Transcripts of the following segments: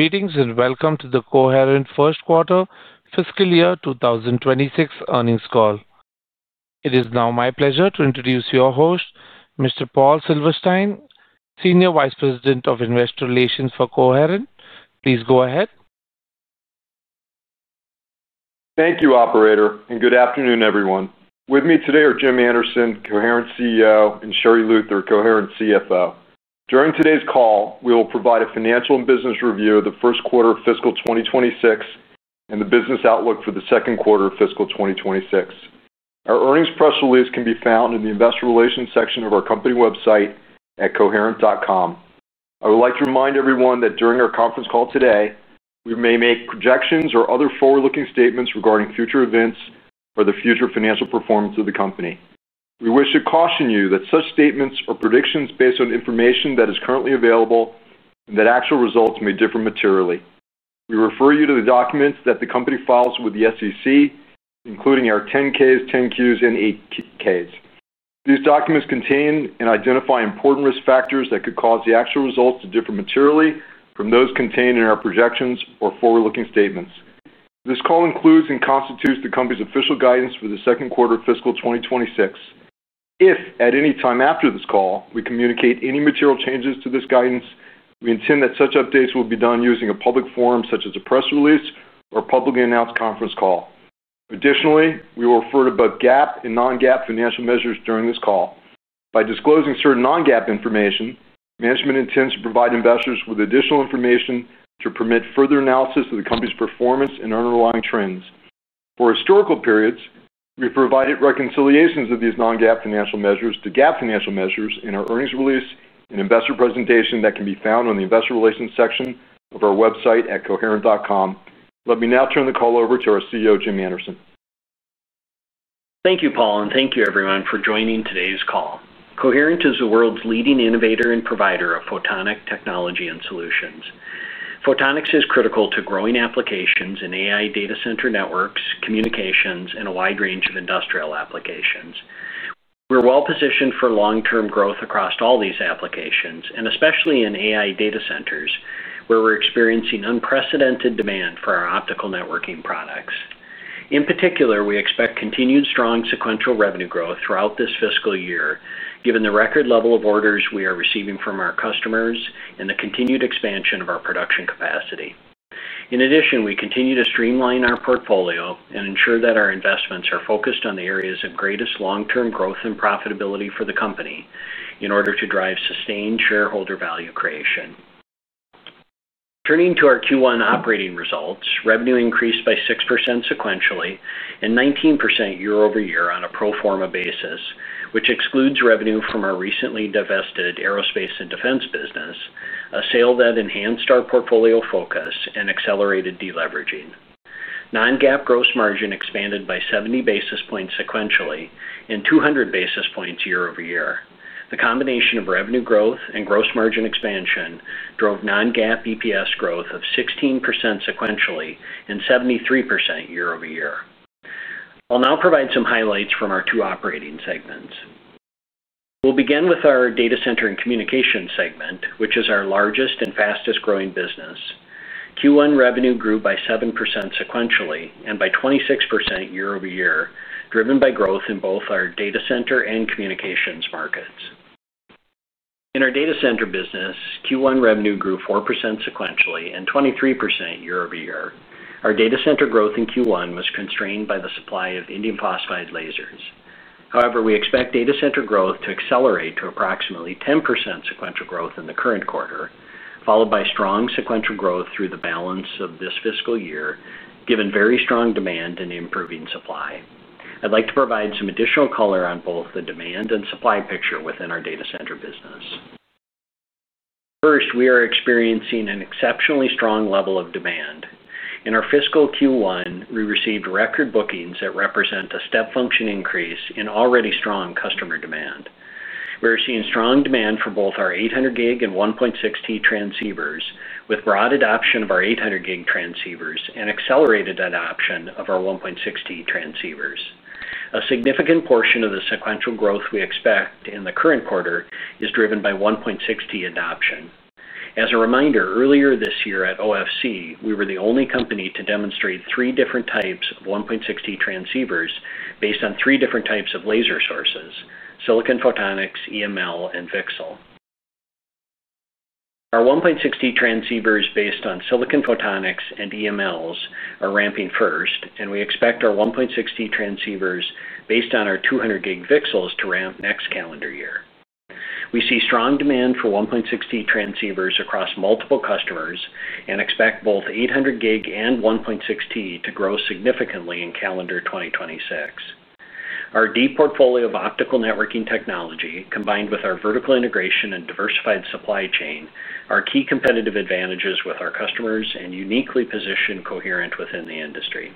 Greetings and welcome to the Coherent first quarter fiscal year 2026 earnings call. It is now my pleasure to introduce your host, Mr. Paul Silverstein, Senior Vice President of Investor Relations for Coherent. Please go ahead. Thank you, operator, and good afternoon, everyone. With me today are Jim Anderson, Coherent CEO, and Sherri Luther, Coherent CFO. During today's call, we will provide a financial and business review of the first quarter of fiscal 2026 and the business outlook for the second quarter of fiscal 2026. Our earnings press release can be found in the Investor Relations section of our company website at coherent.com. I would like to remind everyone that during our conference call today, we may make projections or other forward-looking statements regarding future events or the future financial performance of the company. We wish to caution you that such statements are predictions based on information that is currently available and that actual results may differ materially. We refer you to the documents that the company files with the SEC, including our 10-Ks, 10-Qs, and 8-Ks. These documents contain and identify important risk factors that could cause the actual results to differ materially from those contained in our projections or forward-looking statements. This call includes and constitutes the company's official guidance for the second quarter of fiscal 2026. If at any time after this call we communicate any material changes to this guidance, we intend that such updates will be done using a public forum such as a press release or a publicly announced conference call. Additionally, we will refer to both GAAP and non-GAAP financial measures during this call. By disclosing certain non-GAAP information, management intends to provide investors with additional information to permit further analysis of the company's performance and underlying trends. For historical periods, we've provided reconciliations of these non-GAAP financial measures to GAAP financial measures in our earnings release and investor presentation that can be found on the investor relations section of our website at coherent.com. Let me now turn the call over to our CEO, Jim Anderson. Thank you, Paul, and thank you, everyone, for joining today's call. Coherent is the world's leading innovator and provider of photonic technology and solutions. Photonics is critical to growing applications in AI data center networks, communications, and a wide range of industrial applications. We're well positioned for long-term growth across all these applications, and especially in AI data centers, where we're experiencing unprecedented demand for our optical networking products. In particular, we expect continued strong sequential revenue growth throughout this fiscal year, given the record level of orders we are receiving from our customers and the continued expansion of our production capacity. In addition, we continue to streamline our portfolio and ensure that our investments are focused on the areas of greatest long-term growth and profitability for the company in order to drive sustained shareholder value creation. Turning to our Q1 operating results, revenue increased by 6% sequentially and 19% year-over-year on a pro forma basis, which excludes revenue from our recently divested aerospace and defense business. A sale that enhanced our portfolio focus and accelerated deleveraging. Non-GAAP gross margin expanded by 70 basis points sequentially and 200 basis points year-over-year. The combination of revenue growth and gross margin expansion drove non-GAAP EPS growth of 16% sequentially and 73% year-over-year. I'll now provide some highlights from our two operating segments. We'll begin with our data center and communications segment, which is our largest and fastest-growing business. Q1 revenue grew by 7% sequentially and by 26% year-over-year, driven by growth in both our data center and communications markets. In our data center business, Q1 revenue grew 4% sequentially and 23% year-over-year. Our data center growth in Q1 was constrained by the supply of indium phosphide lasers. However, we expect data center growth to accelerate to approximately 10% sequential growth in the current quarter, followed by strong sequential growth through the balance of this fiscal year, given very strong demand and improving supply. I'd like to provide some additional color on both the demand and supply picture within our data center business. First, we are experiencing an exceptionally strong level of demand. In our fiscal Q1, we received record bookings that represent a step function increase in already strong customer demand. We're seeing strong demand for both our 800 gig and 1.6T transceivers, with broad adoption of our 800 gig transceivers and accelerated adoption of our 1.6T transceivers. A significant portion of the sequential growth we expect in the current quarter is driven by 1.6T adoption. As a reminder, earlier this year at OFC, we were the only company to demonstrate three different types of 1.6T transceivers based on three different types of laser sources: silicon photonics, EML, and VCSEL. Our 1.6T transceivers based on silicon photonics and EMLs are ramping first, and we expect our 1.6T transceivers based on our 200 gig VCSELs to ramp next calendar year. We see strong demand for 1.6T transceivers across multiple customers and expect both 800 gig and 1.6T to grow significantly in calendar 2026. Our deep portfolio of optical networking technology, combined with our vertical integration and diversified supply chain, are key competitive advantages with our customers and uniquely position Coherent within the industry.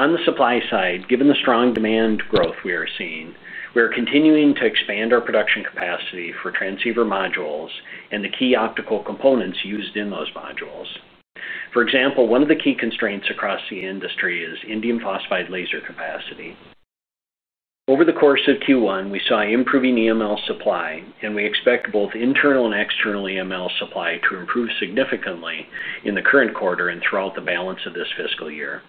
On the supply side, given the strong demand growth we are seeing, we are continuing to expand our production capacity for transceiver modules and the key optical components used in those modules. For example, one of the key constraints across the industry is indium phosphide laser capacity. Over the course of Q1, we saw improving EML supply, and we expect both internal and external EML supply to improve significantly in the current quarter and throughout the balance of this fiscal year.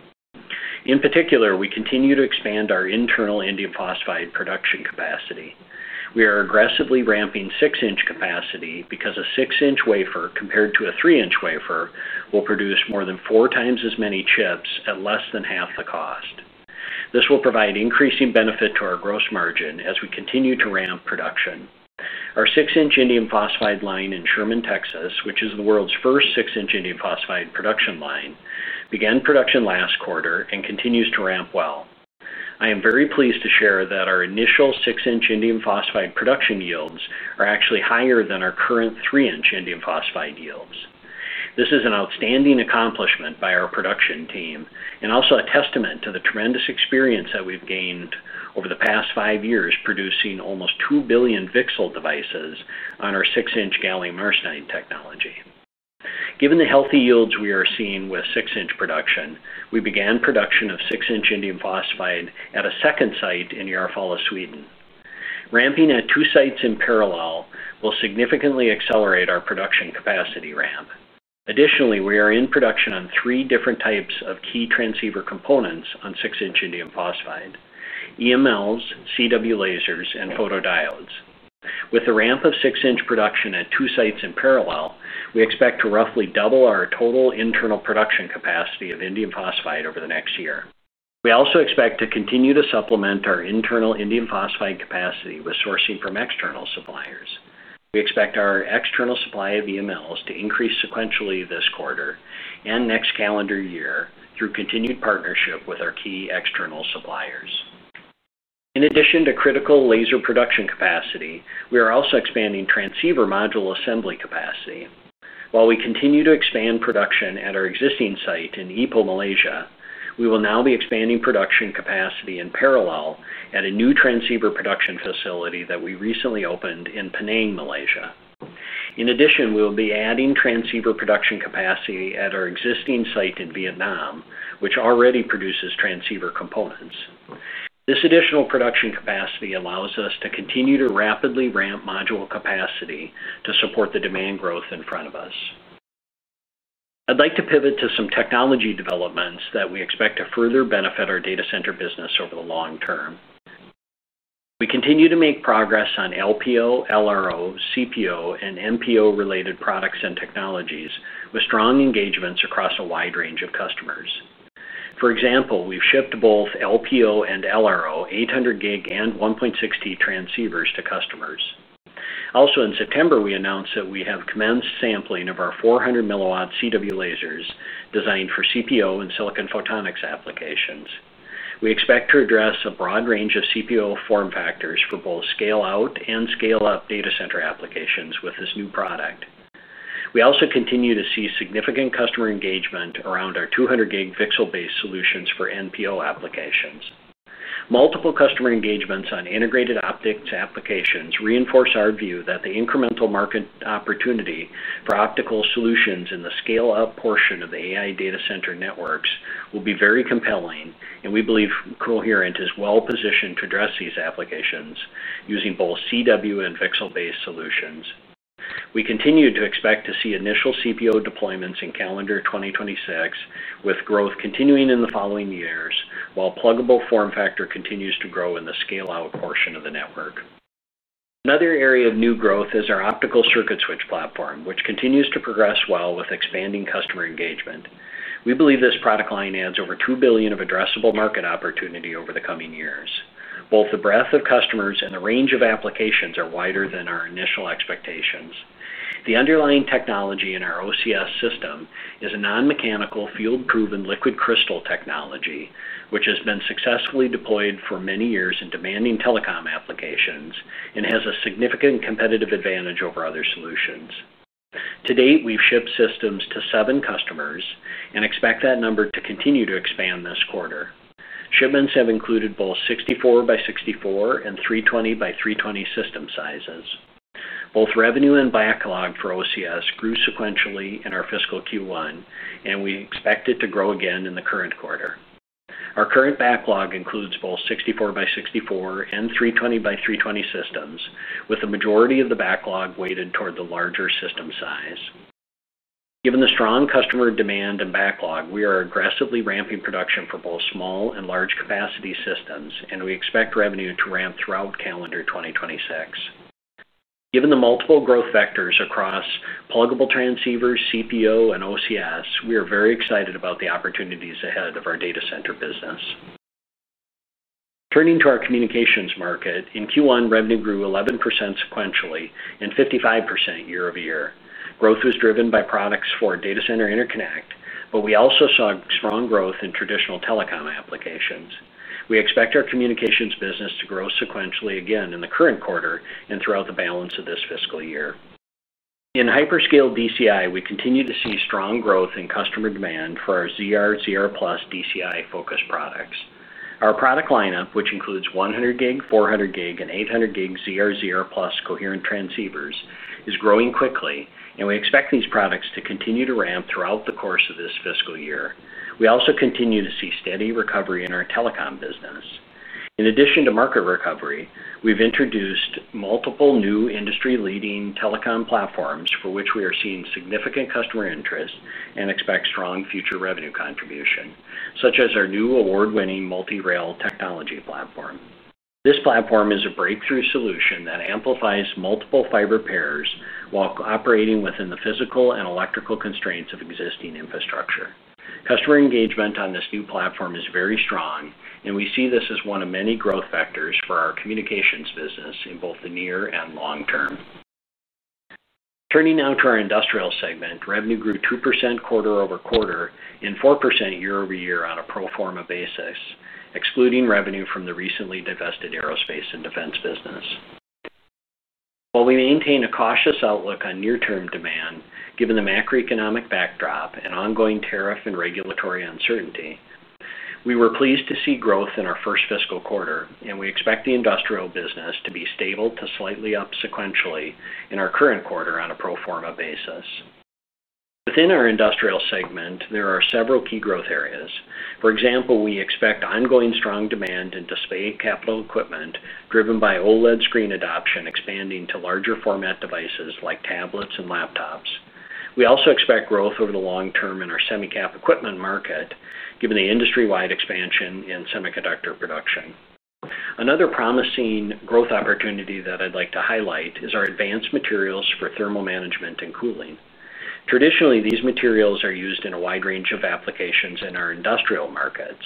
In particular, we continue to expand our internal indium phosphide production capacity. We are aggressively ramping 6-inch capacity because a 6-inch wafer, compared to a 3-inch wafer, will produce more than 4x as many chips at less than half the cost. This will provide increasing benefit to our gross margin as we continue to ramp production. Our 6-inch indium phosphide line in Sherman, Texas, which is the world's first 6-inch indium phosphide production line, began production last quarter and continues to ramp well. I am very pleased to share that our initial 6-inch indium phosphide production yields are actually higher than our current 3-inch indium phosphide yields. This is an outstanding accomplishment by our production team and also a testament to the tremendous experience that we've gained over the past five years producing almost 2 billion VCSEL devices on our 6-inch gallium arsenide technology. Given the healthy yields we are seeing with 6-inch production, we began production of 6-inch indium phosphide at a second site in Järfalla, Sweden. Ramping at two sites in parallel will significantly accelerate our production capacity ramp. Additionally, we are in production on three different types of key transceiver components on 6-inch indium phosphide: EMLs, CW lasers, and photodiodes. With the ramp of 6-inch production at two sites in parallel, we expect to roughly double our total internal production capacity of indium phosphide over the next year. We also expect to continue to supplement our internal indium phosphide capacity with sourcing from external suppliers. We expect our external supply of EMLs to increase sequentially this quarter and next calendar year through continued partnership with our key external suppliers. In addition to critical laser production capacity, we are also expanding transceiver module assembly capacity. While we continue to expand production at our existing site in Ipoh, Malaysia, we will now be expanding production capacity in parallel at a new transceiver production facility that we recently opened in Penang, Malaysia. In addition, we will be adding transceiver production capacity at our existing site in Vietnam, which already produces transceiver components. This additional production capacity allows us to continue to rapidly ramp module capacity to support the demand growth in front of us. I'd like to pivot to some technology developments that we expect to further benefit our data center business over the long term. We continue to make progress on LPO, LRO, CPO, and MPO-related products and technologies with strong engagements across a wide range of customers. For example, we've shipped both LPO and LRO 800 gig and 1.6T transceivers to customers. Also, in September, we announced that we have commenced sampling of our 400 milliwatt CW lasers designed for CPO and silicon photonics applications. We expect to address a broad range of CPO form factors for both scale-out and scale-up data center applications with this new product. We also continue to see significant customer engagement around our 200 gig VCSEL-based solutions for NPO applications. Multiple customer engagements on integrated optics applications reinforce our view that the incremental market opportunity for optical solutions in the scale-up portion of the AI data center networks will be very compelling, and we believe Coherent is well positioned to address these applications using both CW and VCSEL-based solutions. We continue to expect to see initial CPO deployments in calendar 2026, with growth continuing in the following years while pluggable form factor continues to grow in the scale-out portion of the network. Another area of new growth is our optical circuit switch platform, which continues to progress well with expanding customer engagement. We believe this product line adds over $2 billion of addressable market opportunity over the coming years. Both the breadth of customers and the range of applications are wider than our initial expectations. The underlying technology in our OCS system is a non-mechanical, field-proven liquid crystal technology, which has been successfully deployed for many years in demanding telecom applications and has a significant competitive advantage over other solutions. To date, we've shipped systems to seven customers and expect that number to continue to expand this quarter. Shipments have included both 64 by 64 and 320 by 320 system sizes. Both revenue and backlog for OCS grew sequentially in our fiscal Q1, and we expect it to grow again in the current quarter. Our current backlog includes both 64 by 64 and 320 by 320 systems, with the majority of the backlog weighted toward the larger system size. Given the strong customer demand and backlog, we are aggressively ramping production for both small and large capacity systems, and we expect revenue to ramp throughout calendar 2026. Given the multiple growth factors across pluggable transceivers, CPO, and OCS, we are very excited about the opportunities ahead of our data center business. Turning to our communications market, in Q1, revenue grew 11% sequentially and 55% year-over-year. Growth was driven by products for data center interconnect, but we also saw strong growth in traditional telecom applications. We expect our communications business to grow sequentially again in the current quarter and throughout the balance of this fiscal year. In hyperscale DCI, we continue to see strong growth in customer demand for our ZR/ZR+ DCI-focused products. Our product lineup, which includes 100 gig, 400 gig, and 800 gig ZR/ZR+ Coherent transceivers, is growing quickly, and we expect these products to continue to ramp throughout the course of this fiscal year. We also continue to see steady recovery in our telecom business. In addition to market recovery, we've introduced multiple new industry-leading telecom platforms for which we are seeing significant customer interest and expect strong future revenue contribution, such as our new award-winning MultiRail technology platform. This platform is a breakthrough solution that amplifies multiple fiber pairs while operating within the physical and electrical constraints of existing infrastructure. Customer engagement on this new platform is very strong, and we see this as one of many growth factors for our communications business in both the near and long term. Turning now to our industrial segment, revenue grew 2% quarter-over-quarter and 4% year-over-year on a pro forma basis, excluding revenue from the recently divested aerospace and defense business. While we maintain a cautious outlook on near-term demand, given the macroeconomic backdrop and ongoing tariff and regulatory uncertainty, we were pleased to see growth in our first fiscal quarter, and we expect the industrial business to be stable to slightly up sequentially in our current quarter on a pro forma basis. Within our industrial segment, there are several key growth areas. For example, we expect ongoing strong demand in display capital equipment driven by OLED screen adoption expanding to larger format devices like tablets and laptops. We also expect growth over the long term in our semicap equipment market, given the industry-wide expansion in semiconductor production. Another promising growth opportunity that I'd like to highlight is our advanced materials for thermal management and cooling. Traditionally, these materials are used in a wide range of applications in our industrial markets.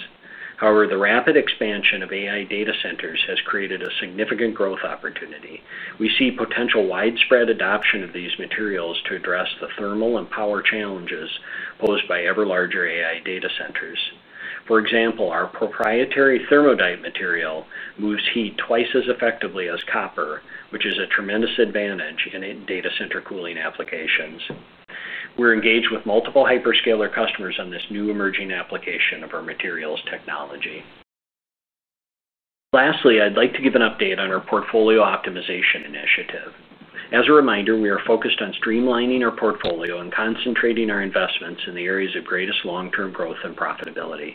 However, the rapid expansion of AI data centers has created a significant growth opportunity. We see potential widespread adoption of these materials to address the thermal and power challenges posed by ever-larger AI data centers. For example, our proprietary thermodyte material moves heat twice as effectively as copper, which is a tremendous advantage in data center cooling applications. We're engaged with multiple hyperscaler customers on this new emerging application of our materials technology. Lastly, I'd like to give an update on our portfolio optimization initiative. As a reminder, we are focused on streamlining our portfolio and concentrating our investments in the areas of greatest long-term growth and profitability.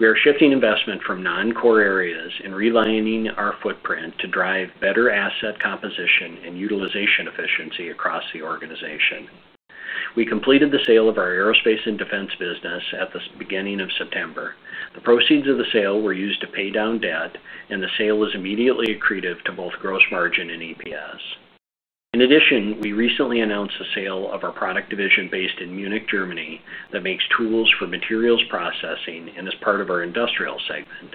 We are shifting investment from non-core areas and realigning our footprint to drive better asset composition and utilization efficiency across the organization. We completed the sale of our aerospace and defense business at the beginning of September. The proceeds of the sale were used to pay down debt, and the sale was immediately accretive to both gross margin and EPS. In addition, we recently announced the sale of our product division based in Munich, Germany, that makes tools for materials processing and is part of our industrial segment.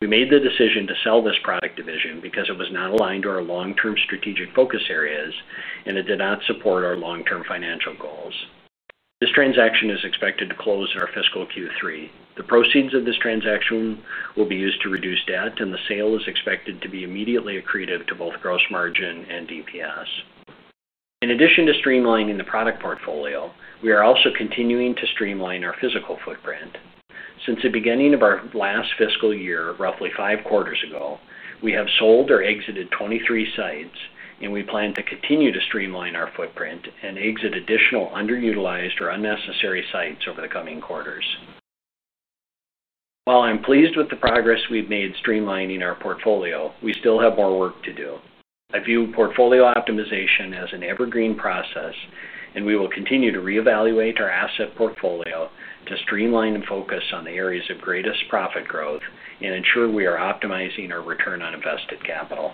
We made the decision to sell this product division because it was not aligned to our long-term strategic focus areas, and it did not support our long-term financial goals. This transaction is expected to close in our fiscal Q3. The proceeds of this transaction will be used to reduce debt, and the sale is expected to be immediately accretive to both gross margin and EPS. In addition to streamlining the product portfolio, we are also continuing to streamline our physical footprint. Since the beginning of our last fiscal year, roughly five quarters ago, we have sold or exited 23 sites, and we plan to continue to streamline our footprint and exit additional underutilized or unnecessary sites over the coming quarters. While I'm pleased with the progress we've made streamlining our portfolio, we still have more work to do. I view portfolio optimization as an evergreen process. We will continue to reevaluate our asset portfolio to streamline and focus on the areas of greatest profit growth and ensure we are optimizing our return on invested capital.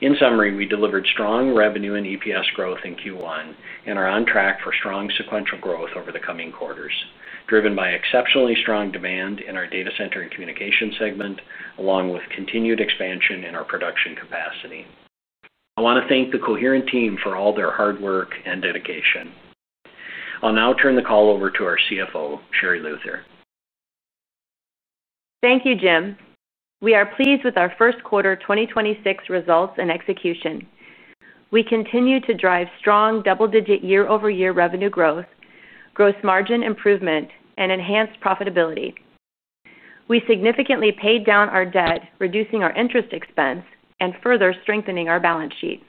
In summary, we delivered strong revenue and EPS growth in Q1 and are on track for strong sequential growth over the coming quarters, driven by exceptionally strong demand in our data center and communication segment, along with continued expansion in our production capacity. I want to thank the Coherent team for all their hard work and dedication. I'll now turn the call over to our CFO, Sherri Luther. Thank you, Jim. We are pleased with our first quarter 2026 results and execution. We continue to drive strong double-digit year-over-year revenue growth, gross margin improvement, and enhanced profitability. We significantly paid down our debt, reducing our interest expense and further strengthening our balance sheet.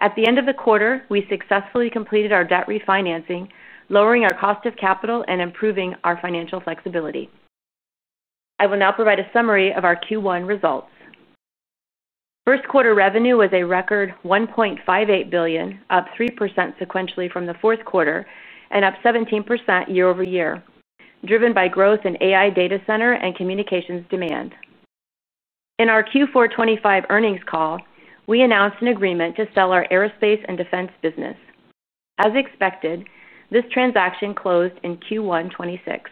At the end of the quarter, we successfully completed our debt refinancing, lowering our cost of capital and improving our financial flexibility. I will now provide a summary of our Q1 results. First quarter revenue was a record $1.58 billion, up 3% sequentially from the fourth quarter and up 17% year-over-year, driven by growth in AI data center and communications demand. In our Q4 2025 earnings call, we announced an agreement to sell our aerospace and defense business. As expected, this transaction closed in Q1 2026.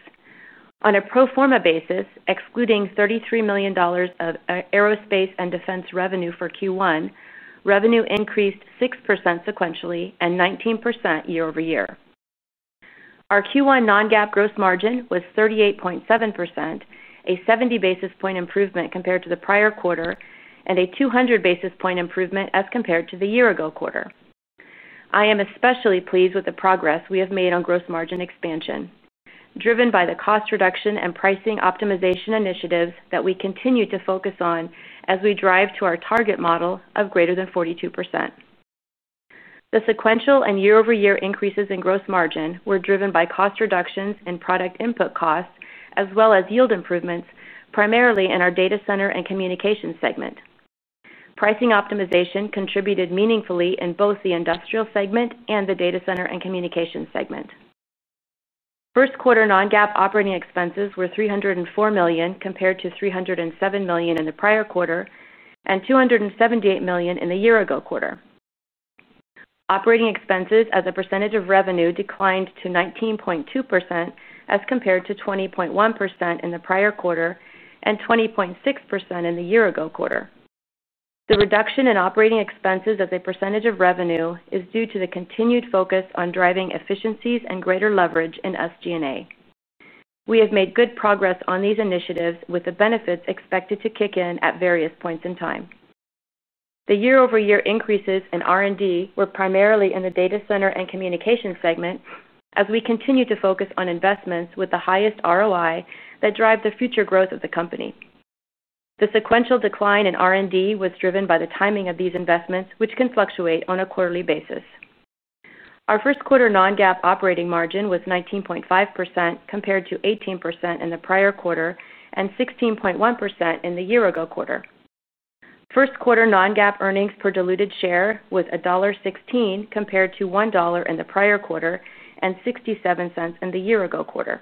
On a pro forma basis, excluding $33 million of aerospace and defense revenue for Q1, revenue increased 6% sequentially and 19% year-over-year. Our Q1 non-GAAP gross margin was 38.7%, a 70 basis point improvement compared to the prior quarter, and a 200 basis point improvement as compared to the year-ago quarter. I am especially pleased with the progress we have made on gross margin expansion, driven by the cost reduction and pricing optimization initiatives that we continue to focus on as we drive to our target model of greater than 42%. The sequential and year-over-year increases in gross margin were driven by cost reductions in product input costs, as well as yield improvements, primarily in our data center and communications segment. Pricing optimization contributed meaningfully in both the industrial segment and the data center and communications segment. First quarter non-GAAP operating expenses were $304 million compared to $307 million in the prior quarter and $278 million in the year-ago quarter. Operating expenses, as a percentage of revenue, declined to 19.2% as compared to 20.1% in the prior quarter and 20.6% in the year-ago quarter. The reduction in operating expenses as a percentage of revenue is due to the continued focus on driving efficiencies and greater leverage in SG&A. We have made good progress on these initiatives, with the benefits expected to kick in at various points in time. The year-over-year increases in R&D were primarily in the data center and communications segment, as we continue to focus on investments with the highest ROI that drive the future growth of the company. The sequential decline in R&D was driven by the timing of these investments, which can fluctuate on a quarterly basis. Our first quarter non-GAAP operating margin was 19.5% compared to 18% in the prior quarter and 16.1% in the year-ago quarter. First quarter non-GAAP earnings per diluted share was $1.16 compared to $1.00 in the prior quarter and $0.67 in the year-ago quarter.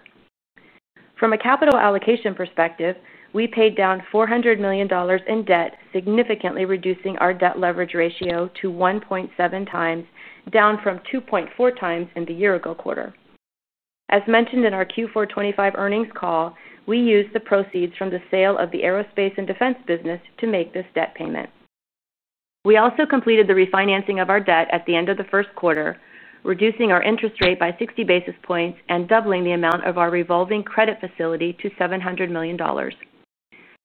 From a capital allocation perspective, we paid down $400 million in debt, significantly reducing our debt leverage ratio to 1.7x, down from 2.4x in the year-ago quarter. As mentioned in our Q4 2025 earnings call, we used the proceeds from the sale of the aerospace and defense business to make this debt payment. We also completed the refinancing of our debt at the end of the first quarter, reducing our interest rate by 60 basis points and doubling the amount of our revolving credit facility to $700 million.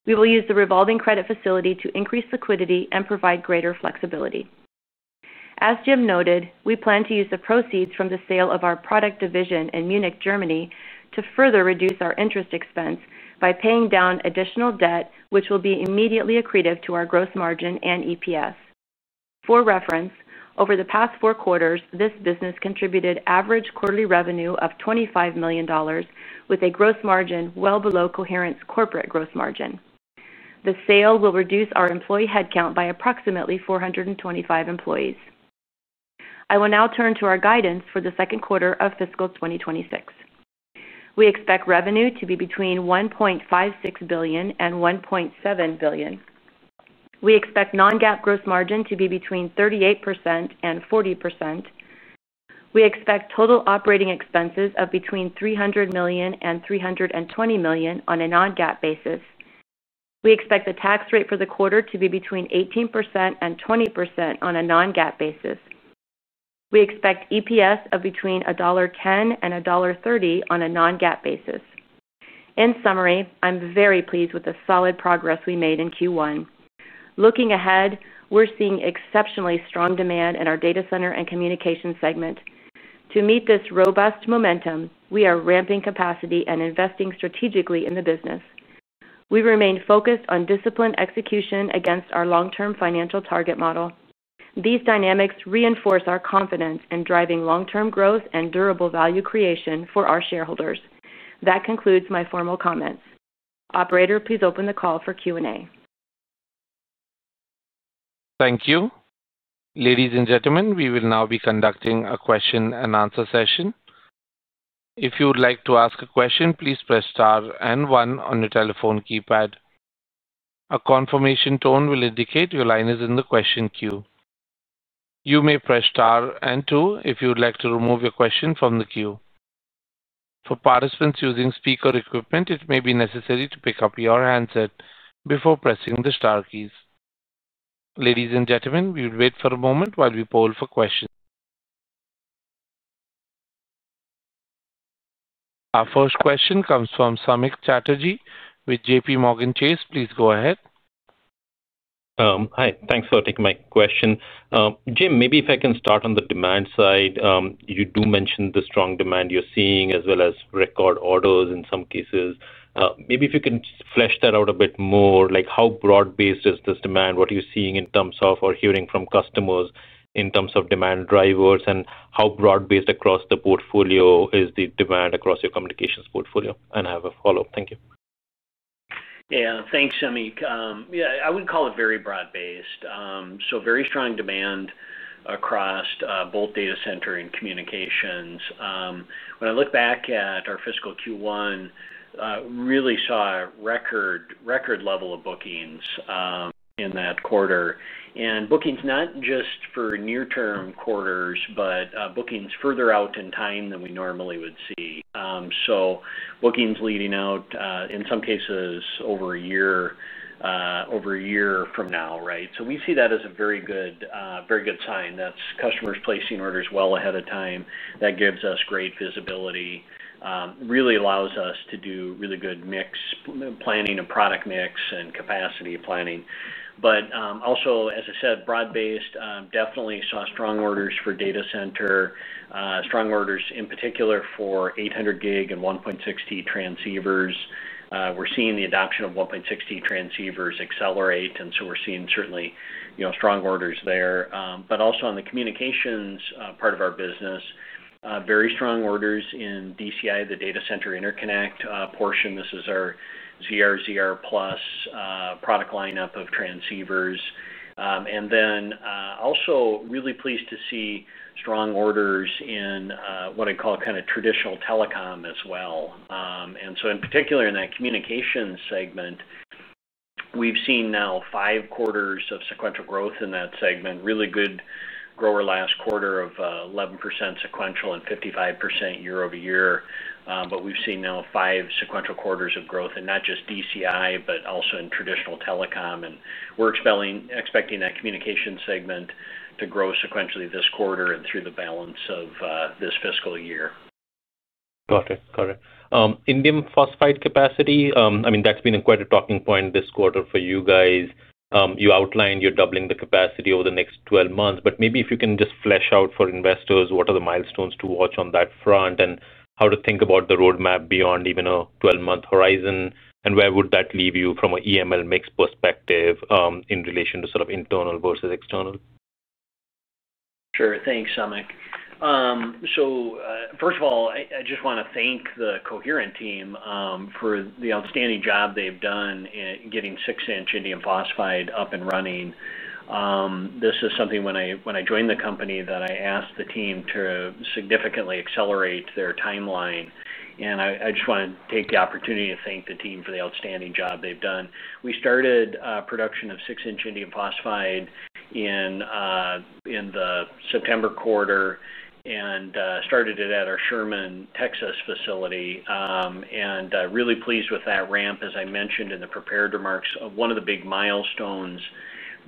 We will use the revolving credit facility to increase liquidity and provide greater flexibility. As Jim noted, we plan to use the proceeds from the sale of our product division in Munich, Germany, to further reduce our interest expense by paying down additional debt, which will be immediately accretive to our gross margin and EPS. For reference, over the past four quarters, this business contributed average quarterly revenue of $25 million, with a gross margin well below Coherent's corporate gross margin. The sale will reduce our employee headcount by approximately 425 employees. I will now turn to our guidance for the second quarter of fiscal 2026. We expect revenue to be between $1.56 billion and $1.7 billion. We expect non-GAAP gross margin to be between 38% and 40%. We expect total operating expenses of between $300 million and $320 million on a non-GAAP basis. We expect the tax rate for the quarter to be between 18% and 20% on a non-GAAP basis. We expect EPS of between $1.10 and $1.30 on a non-GAAP basis. In summary, I'm very pleased with the solid progress we made in Q1. Looking ahead, we're seeing exceptionally strong demand in our data center and communications segment. To meet this robust momentum, we are ramping capacity and investing strategically in the business. We remain focused on disciplined execution against our long-term financial target model. These dynamics reinforce our confidence in driving long-term growth and durable value creation for our shareholders. That concludes my formal comments. Operator, please open the call for Q&A. Thank you. Ladies and gentlemen, we will now be conducting a question and answer session. If you would like to ask a question, please press star and one on your telephone keypad. A confirmation tone will indicate your line is in the question queue. You may press star and two if you would like to remove your question from the queue. For participants using speaker equipment, it may be necessary to pick up your handset before pressing the star keys. Ladies and gentlemen, we will wait for a moment while we poll for questions. Our first question comes from Samik Chatterjee with JPMorgan Chase. Please go ahead. Hi. Thanks for taking my question. Jim, maybe if I can start on the demand side, you do mention the strong demand you're seeing as well as record orders in some cases. Maybe if you can flesh that out a bit more, how broad-based is this demand? What are you seeing in terms of or hearing from customers in terms of demand drivers, and how broad-based across the portfolio is the demand across your communications portfolio? I have a follow-up. Thank you. Yeah. Thanks, Samik. Yeah. I would call it very broad-based. Very strong demand across both data center and communications. When I look back at our fiscal Q1, really saw a record level of bookings in that quarter. Bookings not just for near-term quarters, but bookings further out in time than we normally would see. Bookings leading out, in some cases, over a year from now, right? We see that as a very good sign. That is customers placing orders well ahead of time. That gives us great visibility. Really allows us to do really good mix planning and product mix and capacity planning. Also, as I said, broad-based, definitely saw strong orders for data center, strong orders in particular for 800 gig and 1.6T transceivers. We're seeing the adoption of 1.6T transceivers accelerate, and we're seeing certainly strong orders there. Also on the communications part of our business. Very strong orders in DCI, the data center interconnect portion. This is our ZR/ZR Plus product lineup of transceivers. Also really pleased to see strong orders in what I call kind of traditional telecom as well. In particular, in that communications segment. We've seen now five quarters of sequential growth in that segment. Really good grower last quarter of 11% sequential and 55% year-over-year. We've seen now five sequential quarters of growth, and not just DCI, but also in traditional telecom. We're expecting that communications segment to grow sequentially this quarter and through the balance of this fiscal year. Got it. Got it. Indium phosphide capacity, I mean, that's been quite a talking point this quarter for you guys. You outlined you're doubling the capacity over the next 12 months. Maybe if you can just flesh out for investors, what are the milestones to watch on that front and how to think about the roadmap beyond even a 12-month horizon? And where would that leave you from an EML mix perspective in relation to sort of internal versus external? Sure. Thanks, Samik. First of all, I just want to thank the Coherent team for the outstanding job they've done in getting 6-inch indium phosphide up and running. This is something when I joined the company that I asked the team to significantly accelerate their timeline. I just want to take the opportunity to thank the team for the outstanding job they've done. We started production of 6-inch indium phosphide in the September quarter and started it at our Sherman, Texas facility. Really pleased with that ramp, as I mentioned in the prepared remarks. One of the big milestones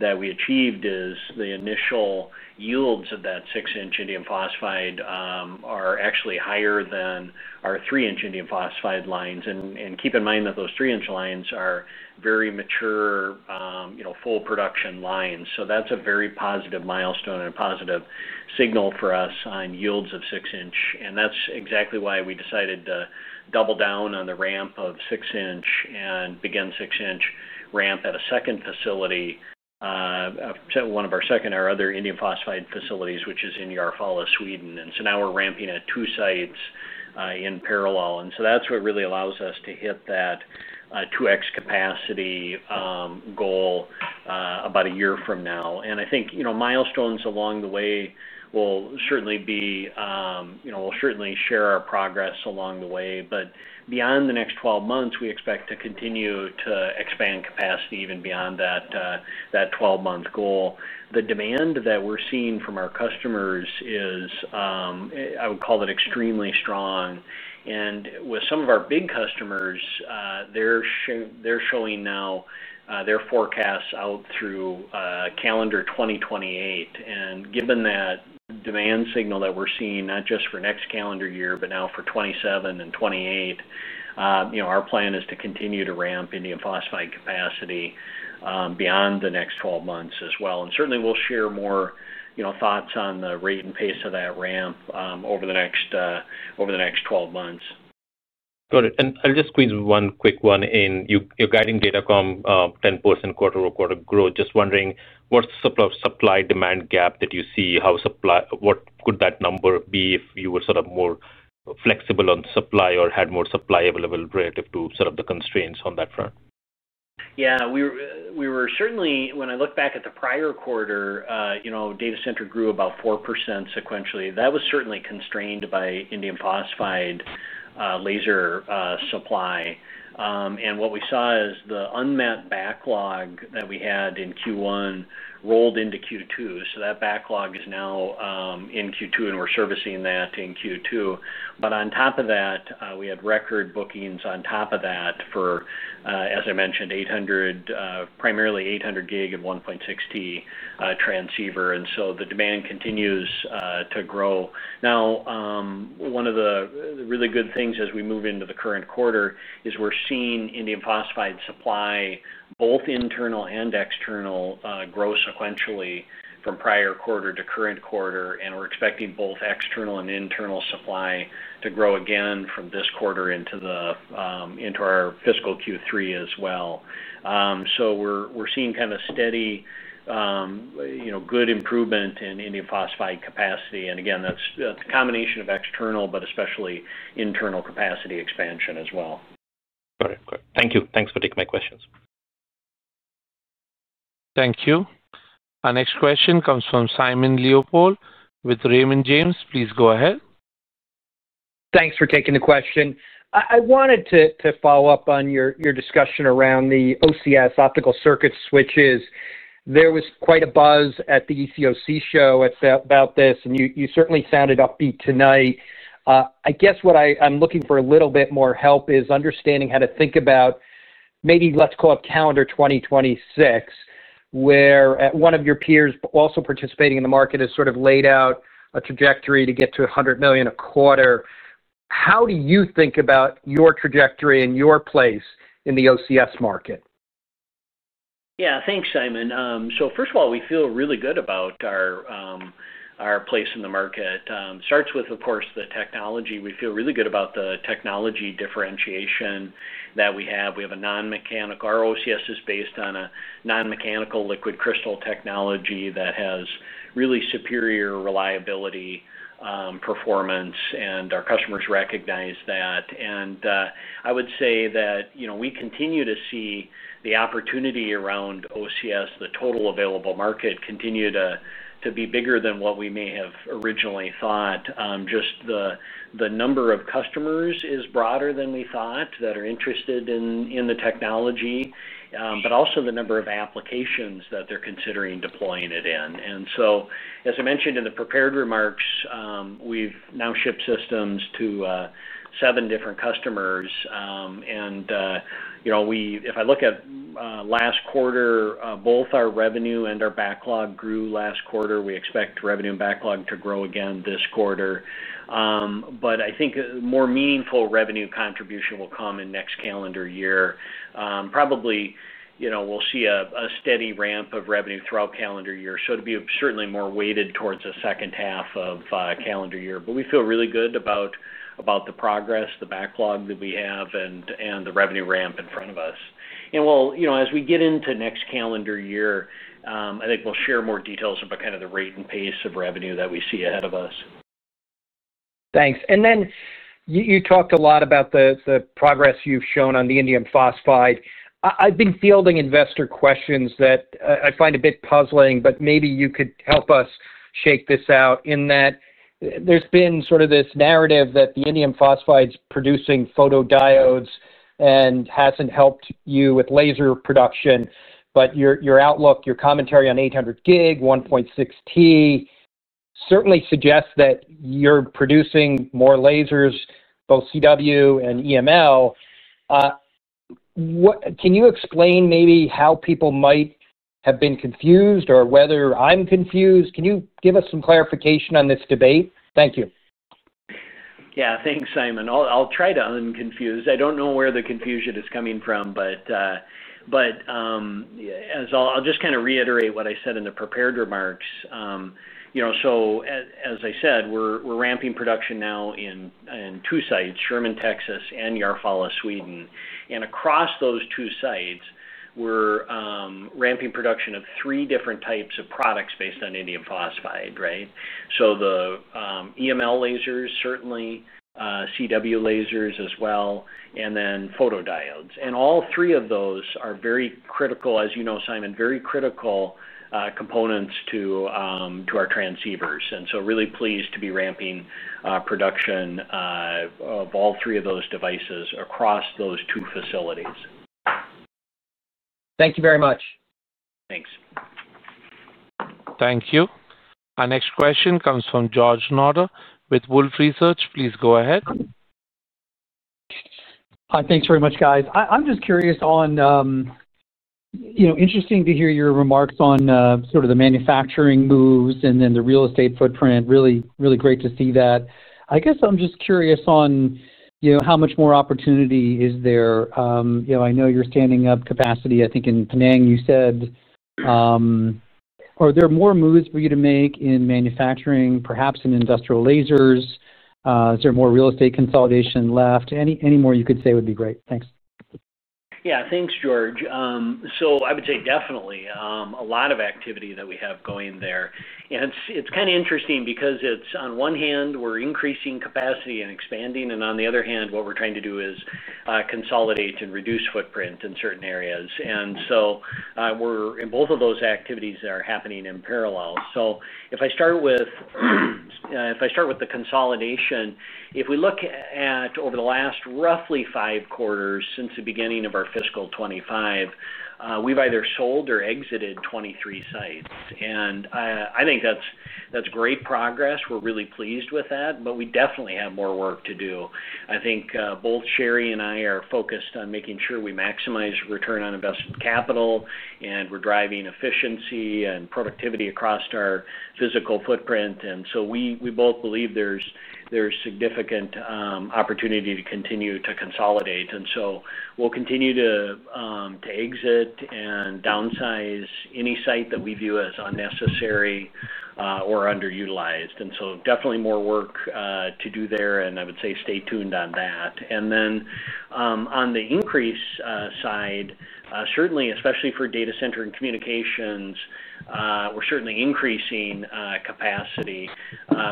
that we achieved is the initial yields of that 6-inch indium phosphide are actually higher than our 3-inch indium phosphide lines. Keep in mind that those 3-inch lines are very mature, full production lines. That is a very positive milestone and a positive signal for us on yields of 6-inch. That is exactly why we decided to double down on the ramp of 6-inch and begin 6-inch ramp at a second facility, one of our other indium phosphide facilities, which is in Järfalla, Sweden. Now we are ramping at two sites in parallel. That is what really allows us to hit that 2X capacity goal about a year from now. I think milestones along the way will certainly be, we will certainly share our progress along the way. Beyond the next 12 months, we expect to continue to expand capacity even beyond that 12-month goal. The demand that we're seeing from our customers is, I would call it, extremely strong. With some of our big customers, they're showing now their forecasts out through calendar 2028. Given that demand signal that we're seeing, not just for next calendar year, but now for 2027 and 2028, our plan is to continue to ramp indium phosphide capacity beyond the next 12 months as well. Certainly, we'll share more thoughts on the rate and pace of that ramp over the next 12 months. Got it. I'll just squeeze one quick one in. You're guiding data from 10% quarter-over-quarter growth. Just wondering, what's the supply-demand gap that you see? What could that number be if you were sort of more flexible on supply or had more supply available relative to sort of the constraints on that front? Yeah. We were certainly, when I look back at the prior quarter, data center grew about 4% sequentially. That was certainly constrained by indium phosphide laser supply. And what we saw is the unmet backlog that we had in Q1 rolled into Q2. So that backlog is now in Q2, and we're servicing that in Q2. On top of that, we had record bookings on top of that for, as I mentioned, primarily 800 gig and 1.6T transceiver. The demand continues to grow. Now, one of the really good things as we move into the current quarter is we're seeing indium phosphide supply, both internal and external, grow sequentially from prior quarter to current quarter. We're expecting both external and internal supply to grow again from this quarter into our fiscal Q3 as well. We're seeing kind of steady, good improvement in indium phosphide capacity. That's a combination of external, but especially internal capacity expansion as well. Got it. Got it. Thank you. Thanks for taking my questions. Thank you. Our next question comes from Simon Leopold with Raymond James. Please go ahead. Thanks for taking the question. I wanted to follow up on your discussion around the OCS optical circuit switches. There was quite a buzz at the ECOC show about this, and you certainly sounded upbeat tonight. I guess what I'm looking for a little bit more help is understanding how to think about, maybe let's call it calendar 2026. Where one of your peers also participating in the market has sort of laid out a trajectory to get to $100 million a quarter. How do you think about your trajectory and your place in the OCS market? Yeah. Thanks, Simon. First of all, we feel really good about our place in the market. It starts with, of course, the technology. We feel really good about the technology differentiation that we have. We have a non-mechanical—our OCS is based on a non-mechanical liquid crystal technology that has really superior reliability, performance, and our customers recognize that. I would say that we continue to see the opportunity around OCS, the total available market, continue to be bigger than what we may have originally thought. Just the number of customers is broader than we thought that are interested in the technology, but also the number of applications that they're considering deploying it in. As I mentioned in the prepared remarks, we've now shipped systems to seven different customers. If I look at last quarter, both our revenue and our backlog grew last quarter. We expect revenue and backlog to grow again this quarter. I think more meaningful revenue contribution will come in next calendar year. Probably, we'll see a steady ramp of revenue throughout calendar year. It will be certainly more weighted towards the second half of calendar year. We feel really good about the progress, the backlog that we have, and the revenue ramp in front of us. As we get into next calendar year, I think we'll share more details about kind of the rate and pace of revenue that we see ahead of us. Thanks. You talked a lot about the progress you've shown on the indium phosphide. I've been fielding investor questions that I find a bit puzzling, but maybe you could help us shake this out in that there's been sort of this narrative that the indium phosphide is producing photodiodes and hasn't helped you with laser production. Your outlook, your commentary on 800 gig, 1.6T, certainly suggests that you're producing more lasers, both CW and EML. Can you explain maybe how people might have been confused or whether I'm confused? Can you give us some clarification on this debate? Thank you. Yeah. Thanks, Simon. I'll try to unconfuse. I don't know where the confusion is coming from, but. I'll just kind of reiterate what I said in the prepared remarks. As I said, we're ramping production now in two sites, Sherman, Texas, and Järfalla, Sweden. Across those two sites, we're ramping production of three different types of products based on indium phosphide, right? The EML lasers, certainly, CW lasers as well, and then photodiodes. All three of those are very critical, as you know, Simon, very critical components to our transceivers. Really pleased to be ramping production of all three of those devices across those two facilities. Thank you very much. Thanks. Thank you. Our next question comes from George Notter with Wolfe Research. Please go ahead. Hi, thanks very much, guys. I'm just curious on, interesting to hear your remarks on sort of the manufacturing moves and then the real estate footprint. Really, really great to see that. I guess I'm just curious on how much more opportunity is there? I know you're standing up capacity, I think, in Penang, you said. Are there more moves for you to make in manufacturing, perhaps in industrial lasers? Is there more real estate consolidation left? Any more you could say would be great. Thanks. Yeah. Thanks, George. So I would say definitely a lot of activity that we have going there. And it's kind of interesting because on one hand, we're increasing capacity and expanding, and on the other hand, what we're trying to do is consolidate and reduce footprint in certain areas. We're in both of those activities that are happening in parallel. If I start with the consolidation, if we look at over the last roughly five quarters since the beginning of our fiscal 2025. We've either sold or exited 23 sites. I think that's great progress. We're really pleased with that, but we definitely have more work to do. I think both Sherri and I are focused on making sure we maximize return on invested capital, and we're driving efficiency and productivity across our physical footprint. We both believe there's significant opportunity to continue to consolidate. We'll continue to exit and downsize any site that we view as unnecessary or underutilized. Definitely more work to do there, and I would say stay tuned on that. On the increase side, certainly, especially for data center and communications, we're certainly increasing capacity.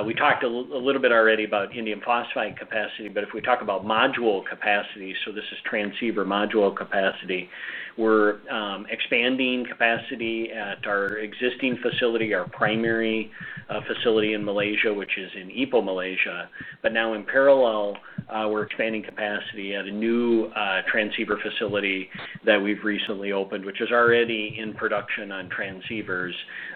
We talked a little bit already about indium phosphide capacity, but if we talk about module capacity, so this is transceiver module capacity, we're expanding capacity at our existing facility, our primary facility in Malaysia, which is in Ipoh, Malaysia. In parallel, we're expanding capacity at a new transceiver facility that we've recently opened, which is already in production on transceivers.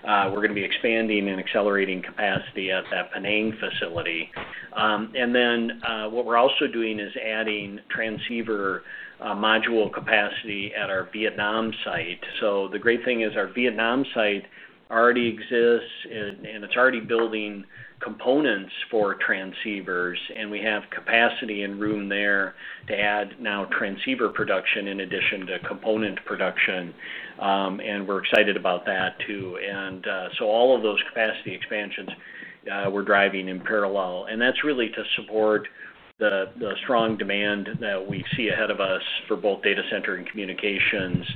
We're going to be expanding and accelerating capacity at that Penang facility. What we're also doing is adding transceiver module capacity at our Vietnam site. The great thing is our Vietnam site already exists, and it's already building components for transceivers. We have capacity and room there to add now transceiver production in addition to component production. We're excited about that too. All of those capacity expansions, we're driving in parallel. That's really to support. The strong demand that we see ahead of us for both data center and communications.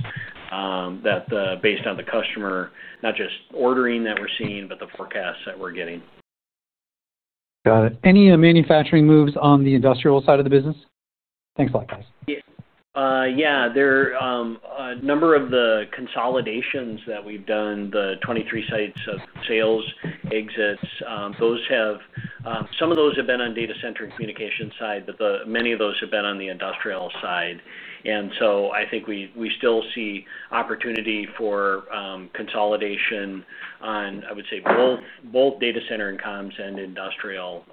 Based on the customer, not just ordering that we're seeing, but the forecasts that we're getting. Got it. Any manufacturing moves on the industrial side of the business? Thanks a lot, guys. Yeah. A number of the consolidations that we've done, the 23 sites of sales exits, those have. Some of those have been on data center and communication side, but many of those have been on the industrial side. I think we still see opportunity for consolidation on, I would say, both data center and comms and industrial.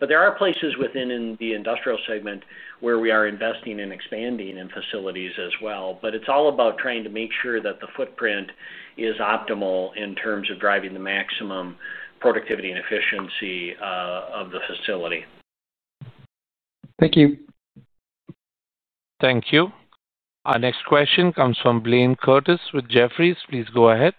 There are places within the industrial segment where we are investing and expanding in facilities as well. It's all about trying to make sure that the footprint is optimal in terms of driving the maximum productivity and efficiency of the facility. Thank you. Thank you. Our next question comes from Blayne Curtis with Jefferies. Please go ahead.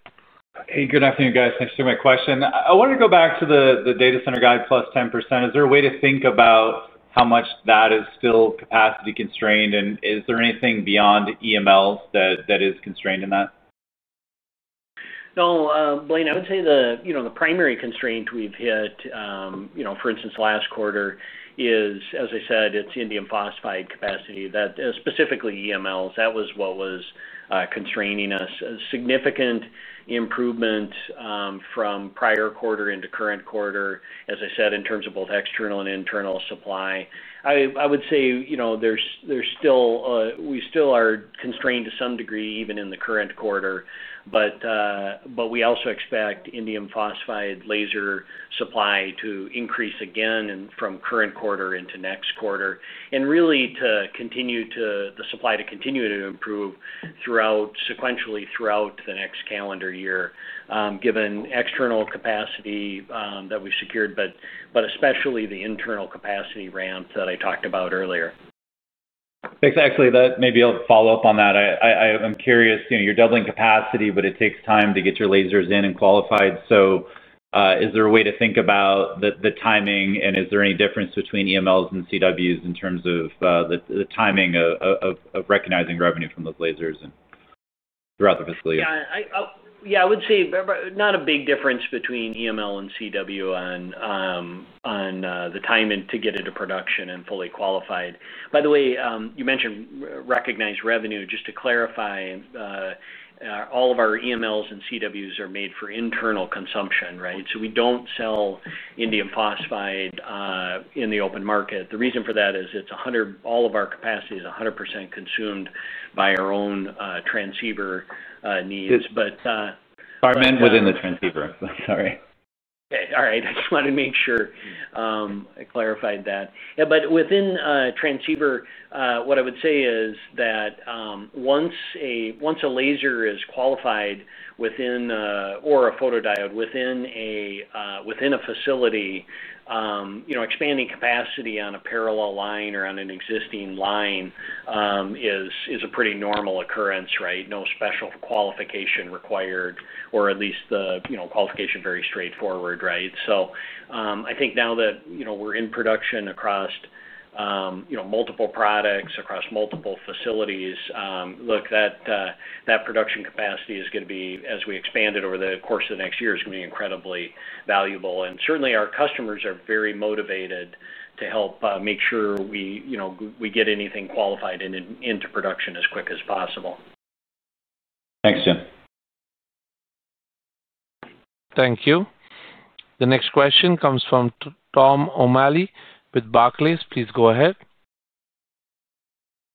Hey, good afternoon, guys. Thanks for my question. I wanted to go back to the data center guide +10%. Is there a way to think about how much that is still capacity constrained? Is there anything beyond EMLs that is constrained in that? No, Blayne, I would say the primary constraint we've hit, for instance, last quarter, is, as I said, it's indium phosphide capacity, specifically EMLs. That was what was constraining us. Significant improvement from prior quarter into current quarter, as I said, in terms of both external and internal supply. I would say we still are constrained to some degree even in the current quarter, but. We also expect indium phosphide laser supply to increase again from current quarter into next quarter, and really to continue to the supply to continue to improve sequentially throughout the next calendar year, given external capacity that we secured, but especially the internal capacity ramp that I talked about earlier. Thanks, actually. Maybe I'll follow up on that. I'm curious. You're doubling capacity, but it takes time to get your lasers in and qualified. Is there a way to think about the timing, and is there any difference between EMLs and CWs in terms of the timing of recognizing revenue from those lasers throughout the fiscal year? Yeah. I would say not a big difference between EML and CW on the timing to get into production and fully qualified. By the way, you mentioned recognized revenue. Just to clarify. All of our EMLs and CWs are made for internal consumption, right? We do not sell indium phosphide in the open market. The reason for that is all of our capacity is 100% consumed by our own transceiver needs. Department within the transceiver. Sorry. Okay. All right. I just wanted to make sure I clarified that. Within transceiver, what I would say is that once a laser is qualified or a photodiode within a facility, expanding capacity on a parallel line or on an existing line is a pretty normal occurrence, right? No special qualification required, or at least the qualification is very straightforward, right? I think now that we are in production across multiple products, across multiple facilities, that production capacity is going to be, as we expand it over the course of the next year, incredibly valuable. Certainly, our customers are very motivated to help make sure we get anything qualified into production as quick as possible. Thanks, Jim. Thank you. The next question comes from Tom O'Malley with Barclays. Please go ahead.